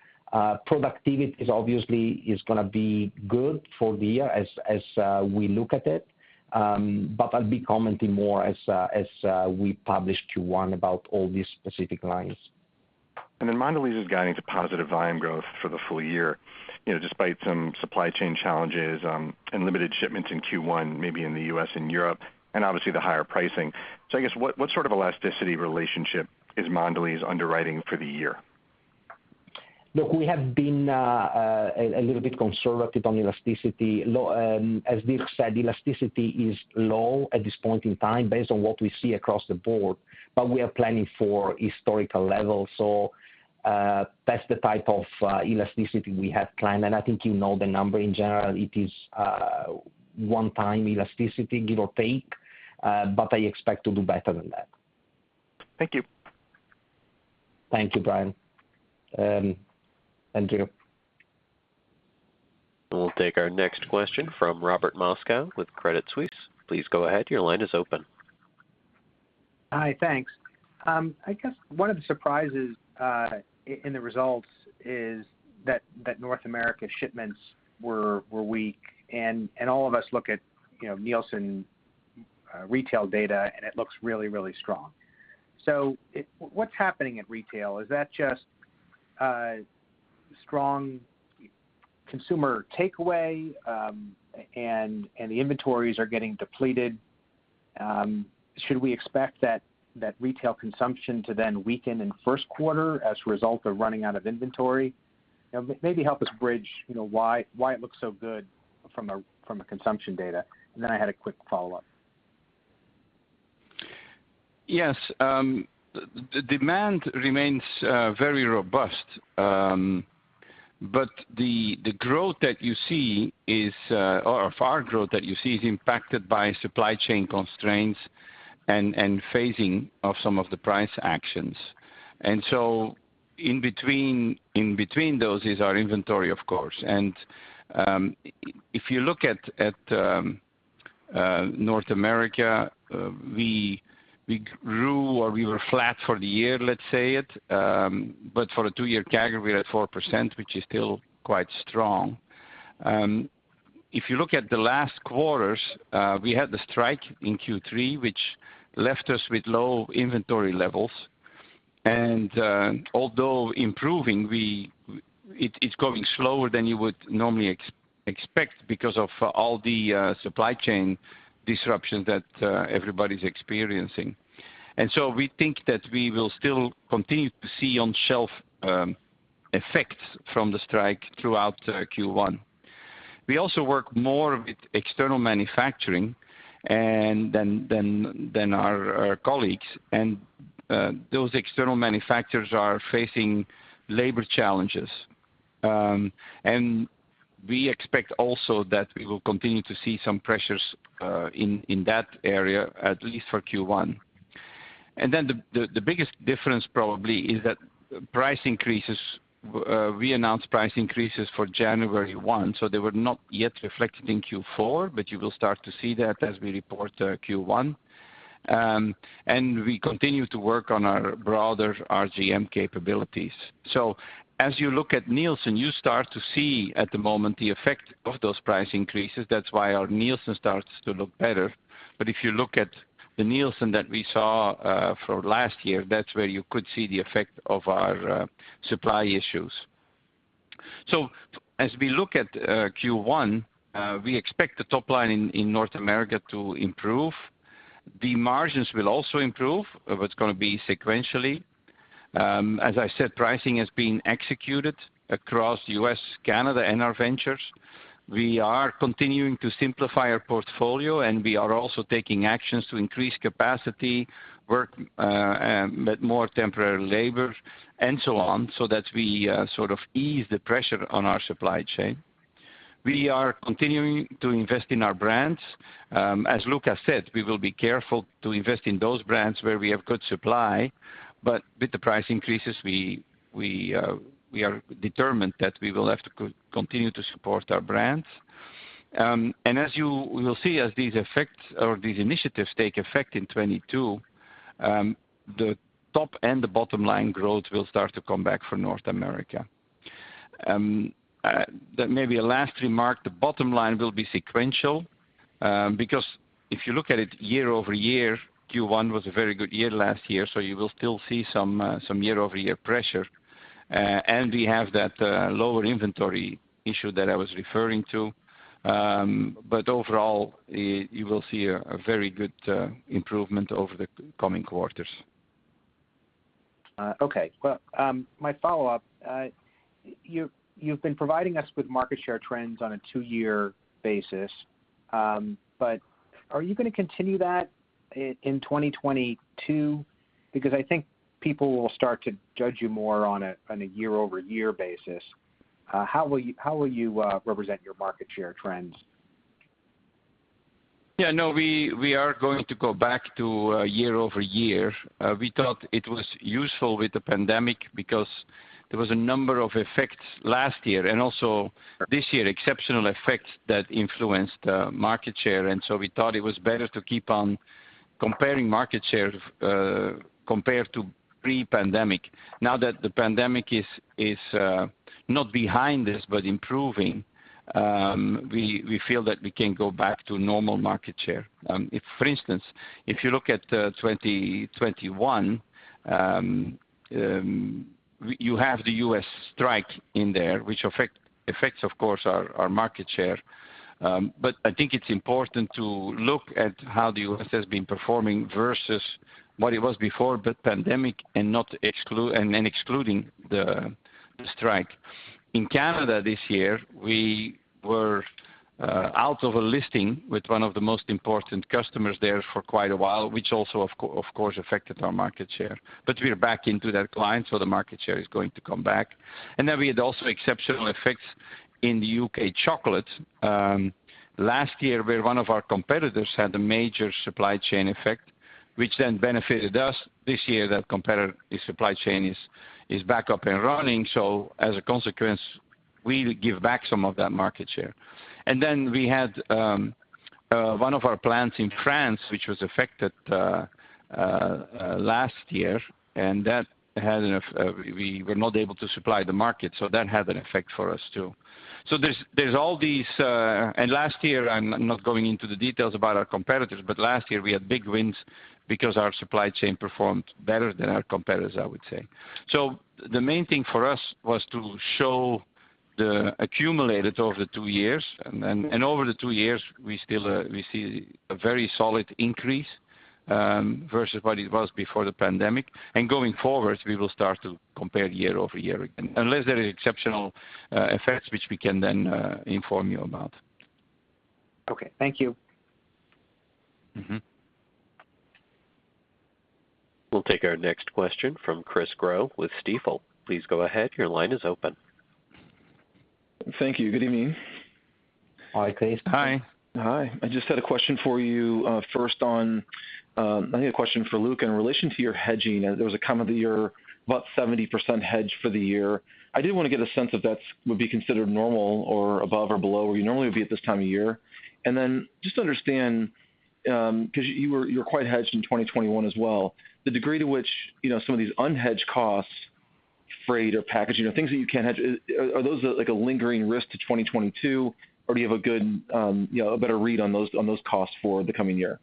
Productivity is obviously gonna be good for the year as we look at it. I'll be commenting more as we publish Q1 about all these specific lines.
Mondelez is guiding to positive volume growth for the full year, you know, despite some supply chain challenges, and limited shipments in Q1, maybe in the U.S. and Europe, and obviously the higher pricing. I guess, what sort of elasticity relationship is Mondelez underwriting for the year?
Look, we have been a little bit conservative on elasticity. As Luca said, elasticity is low at this point in time based on what we see across the board, but we are planning for historical levels. That's the type of elasticity we have planned, and I think you know the number. In general, it is one-time elasticity, give or take, but I expect to do better than that.
Thank you.
Thank you, Bryan. Andrew.
We'll take our next question from Robert Moskow with Credit Suisse. Please go ahead. Your line is open.
Hi, thanks. I guess one of the surprises in the results is that North America shipments were weak and all of us look at, you know, Nielsen retail data, and it looks really strong. What's happening at retail? Is that just strong consumer takeaway, and the inventories are getting depleted? Should we expect that retail consumption to then weaken in first quarter as a result of running out of inventory? Now maybe help us bridge, you know, why it looks so good from a consumption data. Then I had a quick follow-up.
Yes, the demand remains very robust. Our growth that you see is impacted by supply chain constraints and phasing of some of the price actions. In between those is our inventory, of course. If you look at North America, we grew or we were flat for the year, let's say it. For a two-year CAGR, we're at 4%, which is still quite strong. If you look at the last quarters, we had the strike in Q3, which left us with low inventory levels. Although improving, it's going slower than you would normally expect because of all the supply chain disruptions that everybody's experiencing. We think that we will still continue to see on-shelf effects from the strike throughout Q1. We also work more with external manufacturing than our colleagues. Those external manufacturers are facing labor challenges. We expect also that we will continue to see some pressures in that area, at least for Q1. The biggest difference probably is that price increases we announced for January 1, so they were not yet reflected in Q4, but you will start to see that as we report Q1. We continue to work on our broader RGM capabilities. As you look at Nielsen, you start to see at the moment the effect of those price increases. That's why our Nielsen starts to look better. If you look at the Nielsen that we saw for last year, that's where you could see the effect of our supply issues. As we look at Q1, we expect the top line in North America to improve. The margins will also improve, but it's gonna be sequentially. As I said, pricing is being executed across U.S., Canada, and our ventures. We are continuing to simplify our portfolio, and we are also taking actions to increase capacity, but more temporary labor and so on, so that we sort of ease the pressure on our supply chain. We are continuing to invest in our brands. As Luca said, we will be careful to invest in those brands where we have good supply. With the price increases, we are determined that we will have to continue to support our brands. We will see, as these effects or these initiatives take effect in 2022, the top and the bottom line growth will start to come back for North America. Then maybe a last remark, the bottom line will be sequential, because if you look at it year-over-year, Q1 was a very good year last year, so you will still see some year-over-year pressure. We have that lower inventory issue that I was referring to. Overall, you will see a very good improvement over the coming quarters.
Okay. Well, my follow-up, you've been providing us with market share trends on a two-year basis, but are you gonna continue that in 2022? Because I think people will start to judge you more on a year-over-year basis. How will you represent your market share trends?
Yeah, no, we are going to go back to year over year. We thought it was useful with the pandemic because there were a number of effects last year and also this year, exceptional effects that influenced market share. We thought it was better to keep on comparing market share compared to pre-pandemic. Now that the pandemic is not behind us, but improving, we feel that we can go back to normal market share. If for instance, if you look at 2021, you have the U.S. strike in there, which affects, of course, our market share. But I think it's important to look at how the U.S. has been performing versus what it was before the pandemic and not excluding the strike. In Canada this year, we were out of a listing with one of the most important customers there for quite a while, which also of course affected our market share. We are back into that client, so the market share is going to come back. Then we had also exceptional effects in the U.K. chocolate last year, where one of our competitors had a major supply chain effect, which then benefited us. This year, that competitor, his supply chain is back up and running. As a consequence, we give back some of that market share. Then we had one of our plants in France, which was affected last year, and that had an effect, we were not able to supply the market. So that had an effect for us too. There's all these. Last year, I'm not going into the details about our competitors, but last year we had big wins because our supply chain performed better than our competitors, I would say. The main thing for us was to show the accumulated over the two years. Over the two years, we still see a very solid increase versus what it was before the pandemic. Going forward, we will start to compare year-over-year again, unless there are exceptional effects, which we can then inform you about.
Okay. Thank you.
Mm-hmm.
We'll take our next question from Chris Growe with Stifel. Please go ahead. Your line is open.
Thank you. Good evening.
Hi, Chris.
Hi.
Hi. I just had a question for you, first on, I think a question for Luca in relation to your hedging. There was a comment that you're about 70% hedged for the year. I did want to get a sense if that would be considered normal or above or below where you normally would be at this time of year. Just to understand, 'cause you're quite hedged in 2021 as well, the degree to which, you know, some of these unhedged costs, freight or packaging or things that you can't hedge, are those like a lingering risk to 2022, or do you have a good, you know, a better read on those costs for the coming year?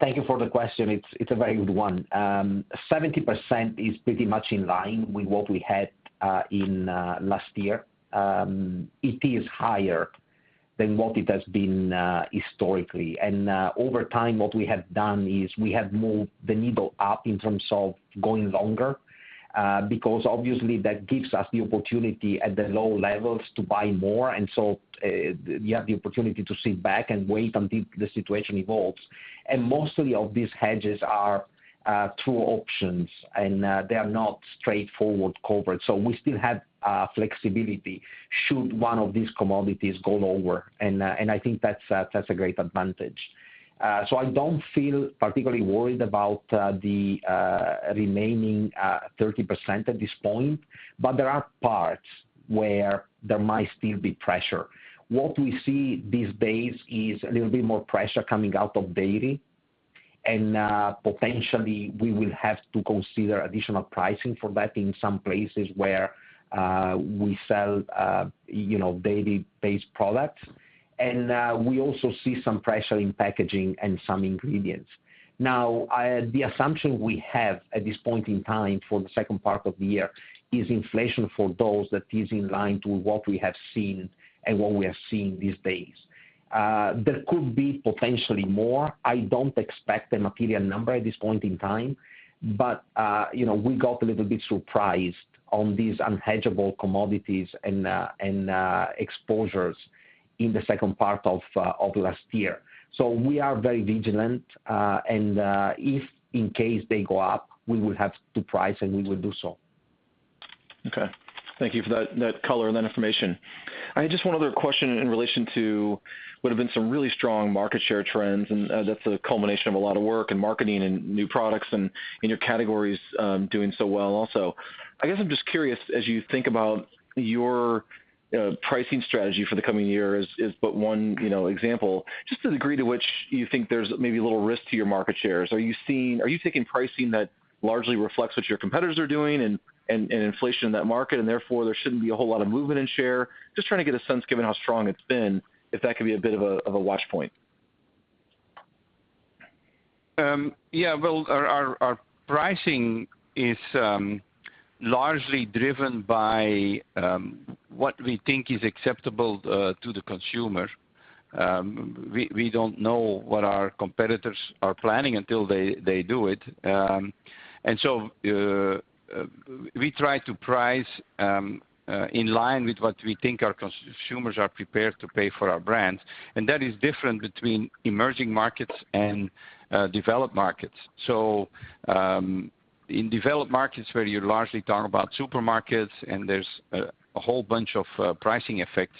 Thank you for the question. It's a very good one. 70% is pretty much in line with what we had in last year. It is higher Than what it has been historically. Over time, what we have done is we have moved the needle up in terms of going longer, because obviously that gives us the opportunity at the low levels to buy more, and so you have the opportunity to sit back and wait until the situation evolves. Mostly of these hedges are through options, and they are not straightforward cover. We still have flexibility should one of these commodities go lower, and I think that's a great advantage. I don't feel particularly worried about the remaining 30% at this point, but there are parts where there might still be pressure. What we see these days is a little bit more pressure coming out of dairy, and potentially we will have to consider additional pricing for that in some places where we sell, you know, dairy-based products. We also see some pressure in packaging and some ingredients. Now, the assumption we have at this point in time for the second part of the year is inflation for those that is in line to what we have seen and what we are seeing these days. There could be potentially more. I don't expect a material number at this point in time, but you know, we got a little bit surprised on these unhedgeable commodities and exposures in the second part of last year. We are very vigilant, and if in case they go up, we will have to price, and we will do so.
Okay. Thank you for that color and that information. I have just one other question in relation to what have been some really strong market share trends, and that's a culmination of a lot of work in marketing and new products and in your categories doing so well also. I guess I'm just curious, as you think about your pricing strategy for the coming years is but one, you know, example, just the degree to which you think there's maybe a little risk to your market shares. Are you seeing? Are you taking pricing that largely reflects what your competitors are doing and inflation in that market, and therefore there shouldn't be a whole lot of movement in share? Just trying to get a sense, given how strong it's been, if that could be a bit of a watch point.
Yeah. Well, our pricing is largely driven by what we think is acceptable to the consumer. We don't know what our competitors are planning until they do it. We try to price in line with what we think our consumers are prepared to pay for our brands, and that is different between emerging markets and developed markets. In developed markets where you largely talk about supermarkets and there's a whole bunch of pricing effects,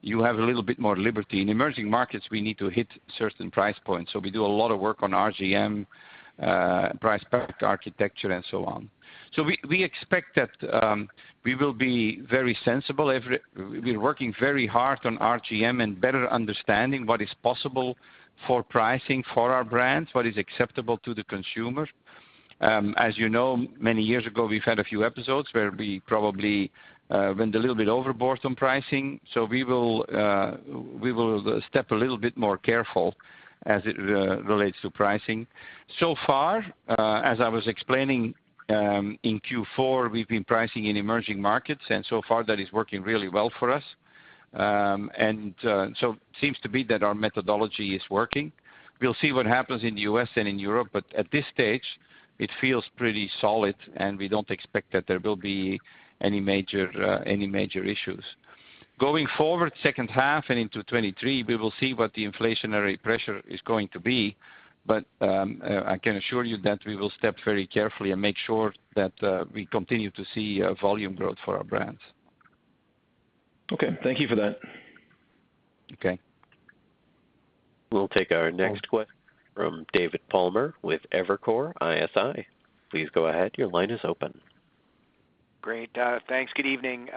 you have a little bit more liberty. In emerging markets, we need to hit certain price points, so we do a lot of work on RGM, price point architecture, and so on. We expect that we will be very sensible. Every We're working very hard on RGM and better understanding what is possible for pricing for our brands, what is acceptable to the consumer. As you know, many years ago, we've had a few episodes where we probably went a little bit overboard on pricing. We will step a little bit more careful as it relates to pricing. So far, as I was explaining, in Q4, we've been pricing in emerging markets, and so far that is working really well for us. It seems that our methodology is working. We'll see what happens in the U.S. and in Europe, but at this stage, it feels pretty solid, and we don't expect that there will be any major issues. Going forward, second half and into 2023, we will see what the inflationary pressure is going to be. I can assure you that we will step very carefully and make sure that we continue to see volume growth for our brands.
Okay. Thank you for that.
Okay.
We'll take our next question from David Palmer with Evercore ISI. Please go ahead. Your line is open.
Great. Thanks. Good evening.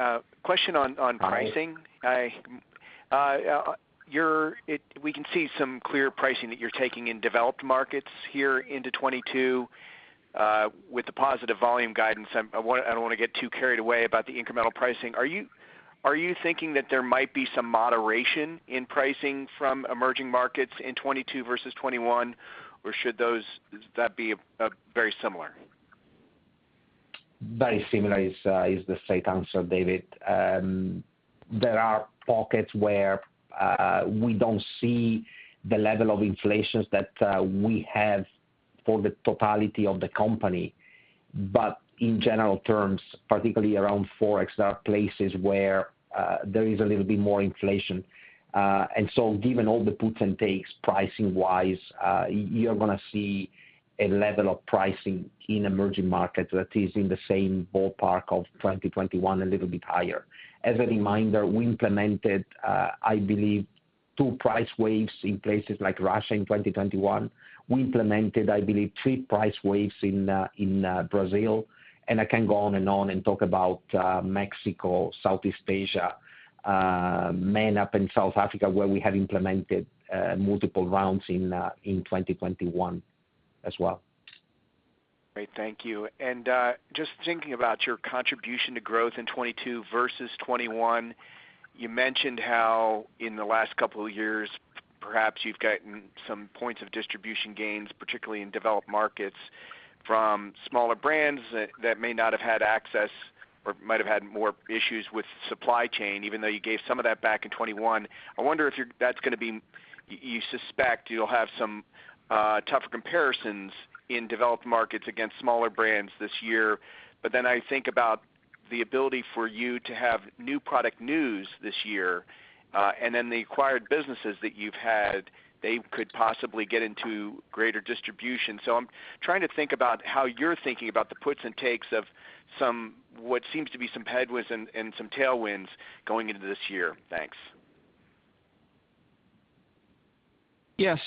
Question on pricing.
Hi.
We can see some clear pricing that you're taking in developed markets here into 2022. With the positive volume guidance, I don't wanna get too carried away about the incremental pricing. Are you thinking that there might be some moderation in pricing from emerging markets in 2022 versus 2021, or should that be very similar?
Very similar is the safe answer, David. There are pockets where we don't see the level of inflation that we have for the totality of the company. In general terms, particularly around Forex, there are places where there is a little bit more inflation. Given all the puts and takes pricing-wise, you're gonna see a level of pricing in emerging markets that is in the same ballpark of 2021, a little bit higher. As a reminder, we implemented, I believe, 2 price waves in places like Russia in 2021. We implemented, I believe, 3 price waves in Brazil. I can go on and on and talk about Mexico, Southeast Asia, MENAP, and South Africa, where we have implemented multiple rounds in 2021 as well.
Great. Thank you. Just thinking about your contribution to growth in 2022 versus 2021, you mentioned how in the last couple of years perhaps you've gotten some points of distribution gains, particularly in developed markets from smaller brands that may not have had access or might have had more issues with supply chain, even though you gave some of that back in 2021. I wonder if you suspect you'll have some tougher comparisons in developed markets against smaller brands this year. But then I think about the ability for you to have new product news this year, and then the acquired businesses that you've had, they could possibly get into greater distribution. I'm trying to think about how you're thinking about the puts and takes of some, what seems to be some headwinds and some tailwinds going into this year. Thanks.
Yes.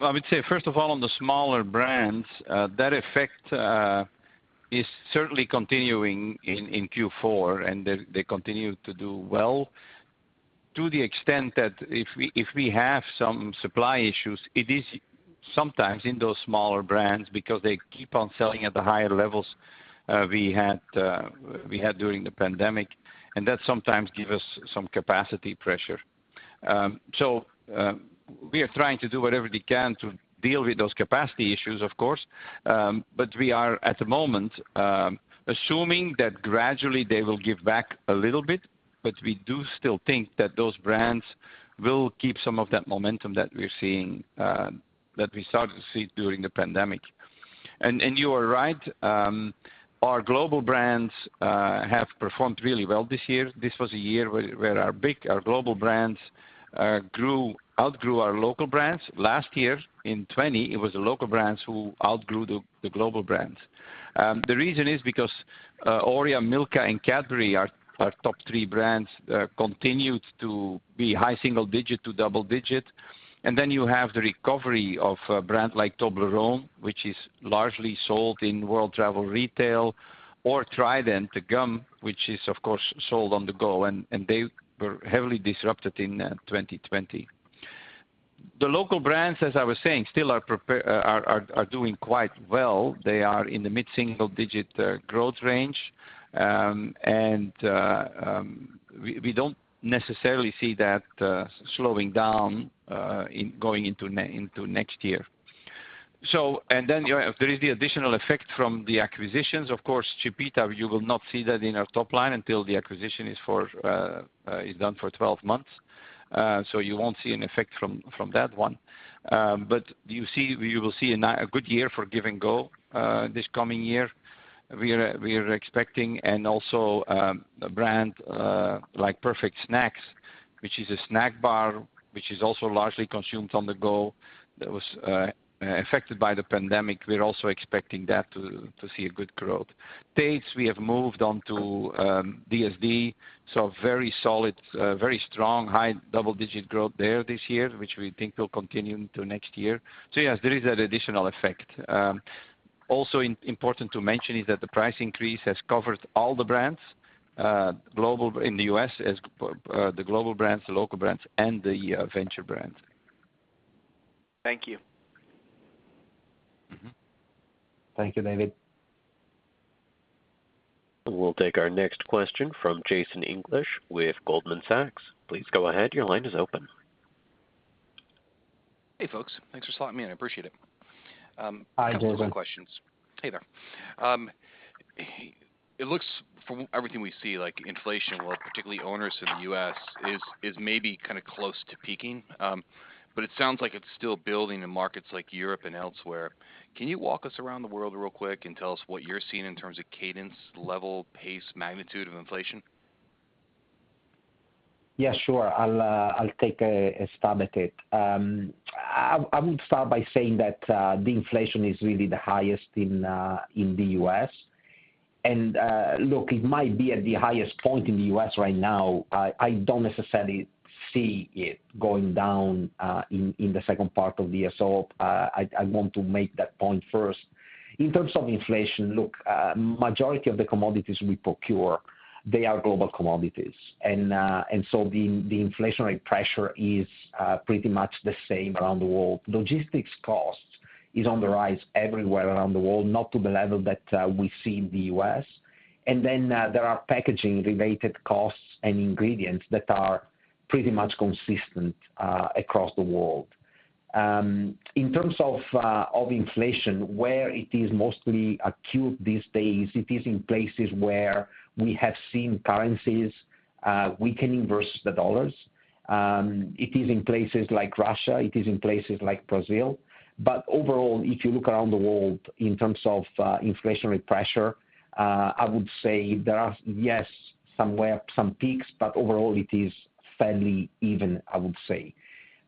I would say, first of all, on the smaller brands, that effect is certainly continuing in Q4, and they continue to do well. To the extent that if we have some supply issues, it is sometimes in those smaller brands because they keep on selling at the higher levels we had during the pandemic, and that sometimes give us some capacity pressure. We are trying to do whatever we can to deal with those capacity issues, of course, but we are at the moment assuming that gradually they will give back a little bit, but we do still think that those brands will keep some of that momentum that we're seeing, that we started to see during the pandemic. You are right, our global brands have performed really well this year. This was a year where our global brands outgrew our local brands. Last year in 2020, it was the local brands who outgrew the global brands. The reason is because Oreo, Milka, and Cadbury, our top three brands, continued to be high single-digit to double-digit. Then you have the recovery of a brand like Toblerone, which is largely sold in world travel retail, or Trident, the gum, which is of course, sold on the go and they were heavily disrupted in 2020. The local brands, as I was saying, still are doing quite well. They are in the mid-single-digit growth range. We don't necessarily see that slowing down going into next year. There is the additional effect from the acquisitions. Of course, Chipita, you will not see that in our top line until the acquisition is done for 12 months. You won't see an effect from that one. You will see a good year for Give & Go this coming year. We are expecting and also a brand like Perfect Snacks, which is a snack bar, which is also largely consumed on the go, that was affected by the pandemic. We're also expecting that to see a good growth. Tate's, we have moved on to DSD, so very solid, very strong high double-digit growth there this year, which we think will continue into next year. Yes, there is that additional effect. Also important to mention is that the price increase has covered all the brands in the U.S. as the global brands, the local brands, and the venture brands.
Thank you.
Mm-hmm.
Thank you, David.
We'll take our next question from Jason English with Goldman Sachs. Please go ahead. Your line is open.
Hey, folks. Thanks for slotting me in. I appreciate it.
Hi, Jason.
A couple of questions. Hey there. It looks from everything we see, like inflation is particularly onerous in the U.S. is maybe kind of close to peaking, but it sounds like it's still building in markets like Europe and elsewhere. Can you walk us around the world real quick and tell us what you're seeing in terms of cadence, level, pace, magnitude of inflation?
Yeah, sure. I'll take a stab at it. I would start by saying that the inflation is really the highest in the U.S. Look, it might be at the highest point in the U.S. right now. I don't necessarily see it going down in the second part of the year. I want to make that point first. In terms of inflation, look, majority of the commodities we procure, they are global commodities. The inflationary pressure is pretty much the same around the world. Logistics costs is on the rise everywhere around the world, not to the level that we see in the U.S. Then there are packaging related costs and ingredients that are pretty much consistent across the world. In terms of inflation, where it is mostly acute these days, it is in places where we have seen currencies weakening versus the dollars. It is in places like Russia. It is in places like Brazil. Overall, if you look around the world in terms of inflationary pressure, I would say there are some peaks somewhere, but overall it is fairly even, I would say.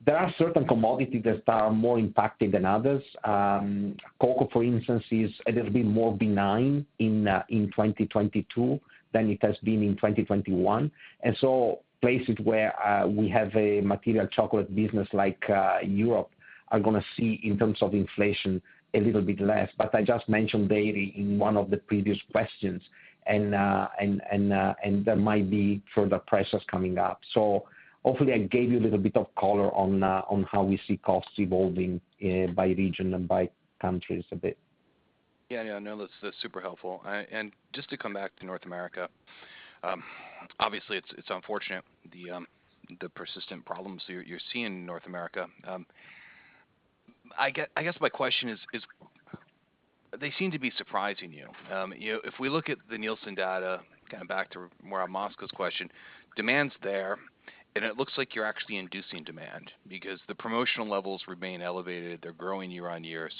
There are certain commodities that are more impacted than others. Cocoa, for instance, is a little bit more benign in 2022 than it has been in 2021. Places where we have a material chocolate business like Europe are gonna see in terms of inflation a little bit less. I just mentioned dairy in one of the previous questions, and there might be further prices coming up. Hopefully I gave you a little bit of color on how we see costs evolving by region and by countries a bit.
Yeah, yeah. No, that's super helpful. Just to come back to North America, obviously it's unfortunate the persistent problems you're seeing in North America. I guess my question is, they seem to be surprising you. You know, if we look at the Nielsen data, kind of back to more on Moskow's question, demand's there, and it looks like you're actually inducing demand because the promotional levels remain elevated. They're growing year on year.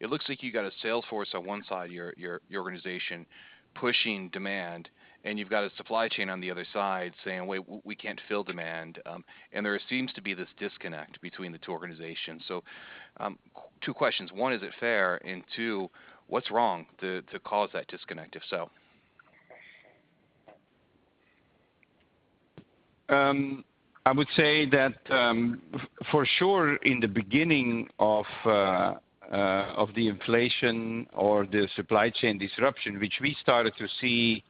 It looks like you got a sales force on one side of your organization pushing demand, and you've got a supply chain on the other side saying, "Wait, we can't fill demand." There seems to be this disconnect between the two organizations. Two questions. One, is it fair? Two, what's wrong to cause that disconnect, if so?
I would say that, for sure, in the beginning of the inflation or the supply chain disruption, which we started to see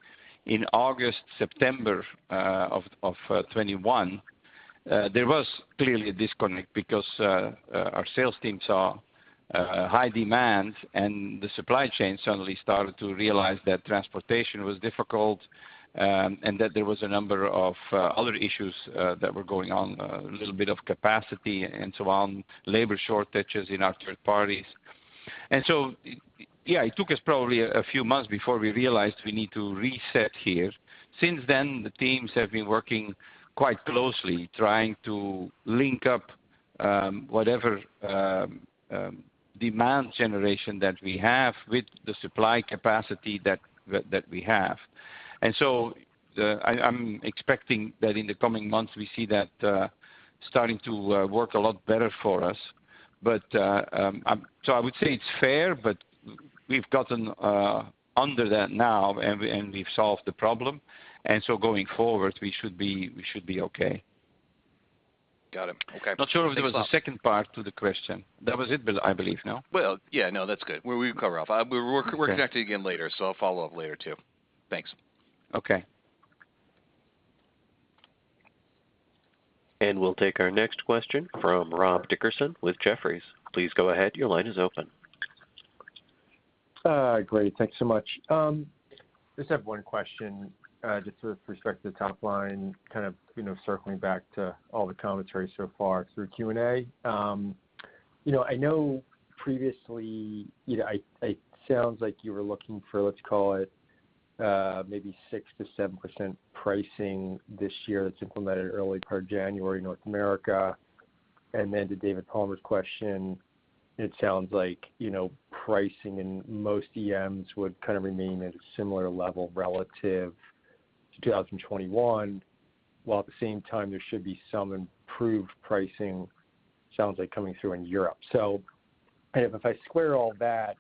in August, September of 2021, there was clearly a disconnect because our sales team saw a high demand, and the supply chain suddenly started to realize that transportation was difficult. And that there was a number of other issues that were going on, a little bit of capacity and so on, labor shortages in our third parties. Yeah, it took us probably a few months before we realized we need to reset here. Since then, the teams have been working quite closely, trying to link up whatever demand generation that we have with the supply capacity that we have. I'm expecting that in the coming months, we see that starting to work a lot better for us. I would say it's fair, but we've gotten under that now and we've solved the problem. Going forward, we should be okay.
Got it. Okay.
Not sure if there was a second part to the question. That was it, Bill, I believe, no?
Well, yeah, no, that's good. We cover off. We're connecting again later, so I'll follow up later too. Thanks.
Okay.
We'll take our next question from Rob Dickerson with Jefferies. Please go ahead. Your line is open.
Great. Thanks so much. Just have one question, just with respect to the top line, kind of, you know, circling back to all the commentary so far through Q&A. You know, I know previously, you know, it sounds like you were looking for, let's call it, maybe 6%-7% pricing this year that's implemented early part January, North America. To David Palmer's question, it sounds like, you know, pricing in most EMs would kind of remain at a similar level relative to 2021, while at the same time, there should be some improved pricing, sounds like coming through in Europe. If I square all that,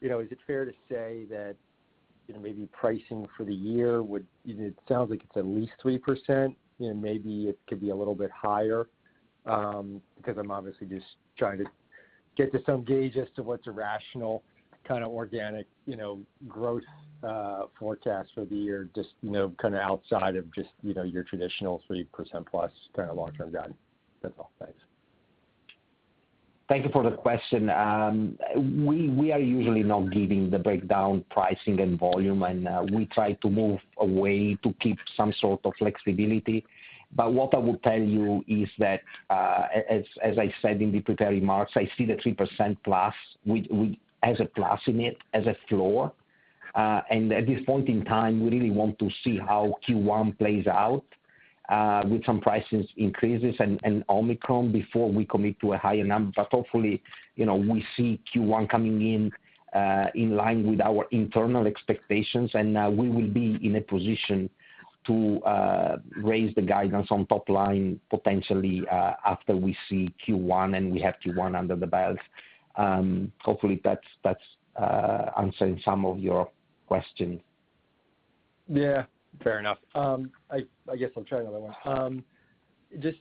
you know, is it fair to say that, you know, maybe pricing for the year would... It sounds like it's at least 3%, you know, maybe it could be a little bit higher, because I'm obviously just trying to get to some gauge as to what's a rational kind of organic, you know, growth, forecast for the year, just, you know, kind of outside of just, you know, your traditional 3% plus kind of long-term guide. That's all. Thanks.
Thank you for the question. We are usually not giving the breakdown pricing and volume, and we try to move away to keep some sort of flexibility. What I would tell you is that, as I said in the prepared remarks, I see the 3%+ as a floor. At this point in time, we really want to see how Q1 plays out, with some price increases and Omicron before we commit to a higher number. Hopefully, you know, we see Q1 coming in line with our internal expectations, and we will be in a position to raise the guidance on top line potentially, after we see Q1, and we have Q1 under the belt. Hopefully that's answering some of your questions.
Yeah. Fair enough. I guess I'll try another one. Just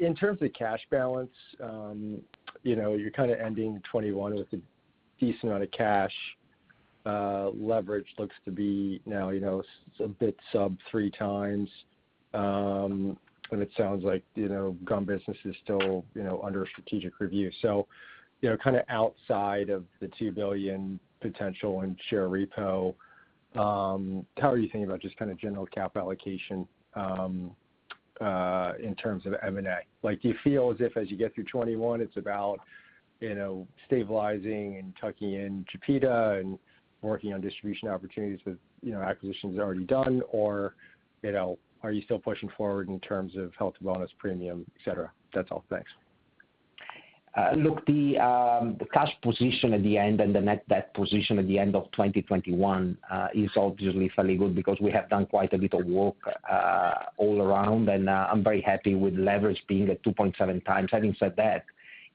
in terms of cash balance, you know, you're kind of ending 2021 with a decent amount of cash. Leverage looks to be now, you know, a bit sub-3x. It sounds like, you know, gum business is still, you know, under strategic review. You know, kind of outside of the $2 billion potential in share repo, how are you thinking about just kind of general cap allocation in terms of M&A? Like, do you feel as if as you get through 2021, it's about, you know, stabilizing and tucking in Chipita and working on distribution opportunities with, you know, acquisitions already done? Or, you know, are you still pushing forward in terms of health and wellness premium, et cetera? That's all. Thanks.
Look, the cash position at the end and the net debt position at the end of 2021 is obviously fairly good because we have done quite a bit of work all around, and I'm very happy with leverage being at 2.7 times. Having said that,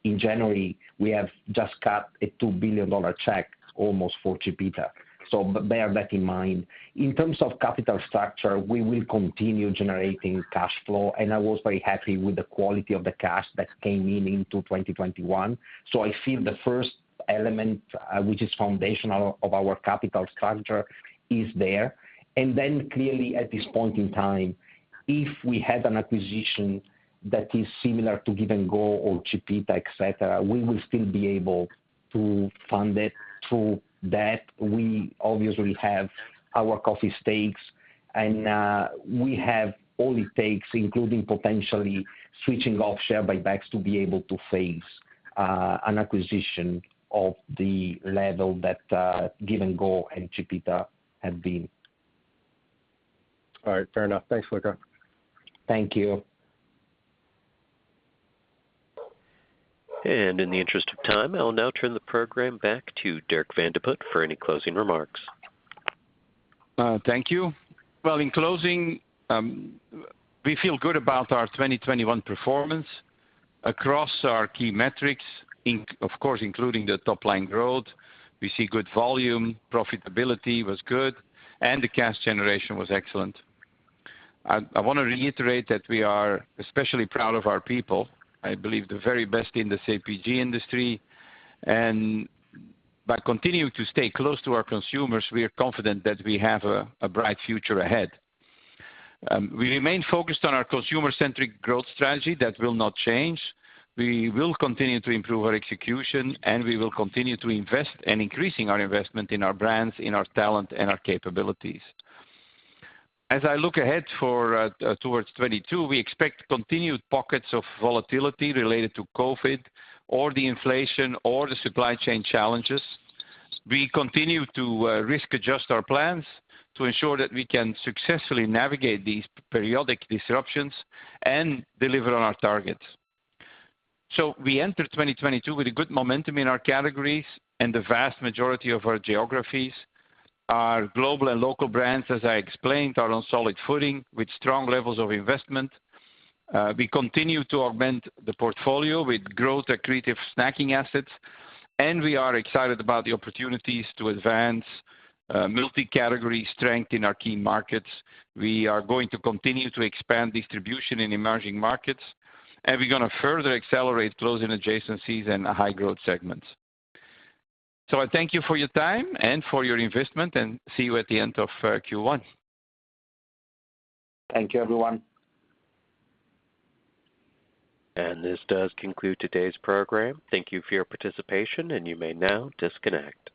in January, we have just cut a $2 billion check almost for Chipita. Bear that in mind. In terms of capital structure, we will continue generating cash flow, and I was very happy with the quality of the cash that came in into 2021. I feel the first element, which is foundational of our capital structure is there. Then clearly, at this point in time, if we had an acquisition that is similar to Give & Go or Chipita, et cetera, we will still be able to fund it through debt. We obviously have our coffee stakes and we have all the stakes, including potentially switching off share buybacks to be able to fund an acquisition of the level that Give & Go and Chipita have been.
All right, fair enough. Thanks, Luca.
Thank you.
In the interest of time, I'll now turn the program back to Dirk Van de Put for any closing remarks.
Thank you. Well, in closing, we feel good about our 2021 performance across our key metrics, of course, including the top line growth. We see good volume, profitability was good, and the cash generation was excellent. I wanna reiterate that we are especially proud of our people, I believe the very best in the CPG industry. By continuing to stay close to our consumers, we are confident that we have a bright future ahead. We remain focused on our consumer-centric growth strategy. That will not change. We will continue to improve our execution, and we will continue to invest and increasing our investment in our brands, in our talent, and our capabilities. As I look ahead towards 2022, we expect continued pockets of volatility related to COVID or the inflation or the supply chain challenges. We continue to risk adjust our plans to ensure that we can successfully navigate these periodic disruptions and deliver on our targets. We enter 2022 with a good momentum in our categories and the vast majority of our geographies. Our global and local brands, as I explained, are on solid footing with strong levels of investment. We continue to augment the portfolio with growth, accretive snacking assets, and we are excited about the opportunities to advance multi-category strength in our key markets. We are going to continue to expand distribution in emerging markets, and we're gonna further accelerate growth in adjacencies and high-growth segments. I thank you for your time and for your investment, and see you at the end of Q1.
Thank you, everyone.
This does conclude today's program. Thank you for your participation, and you may now disconnect.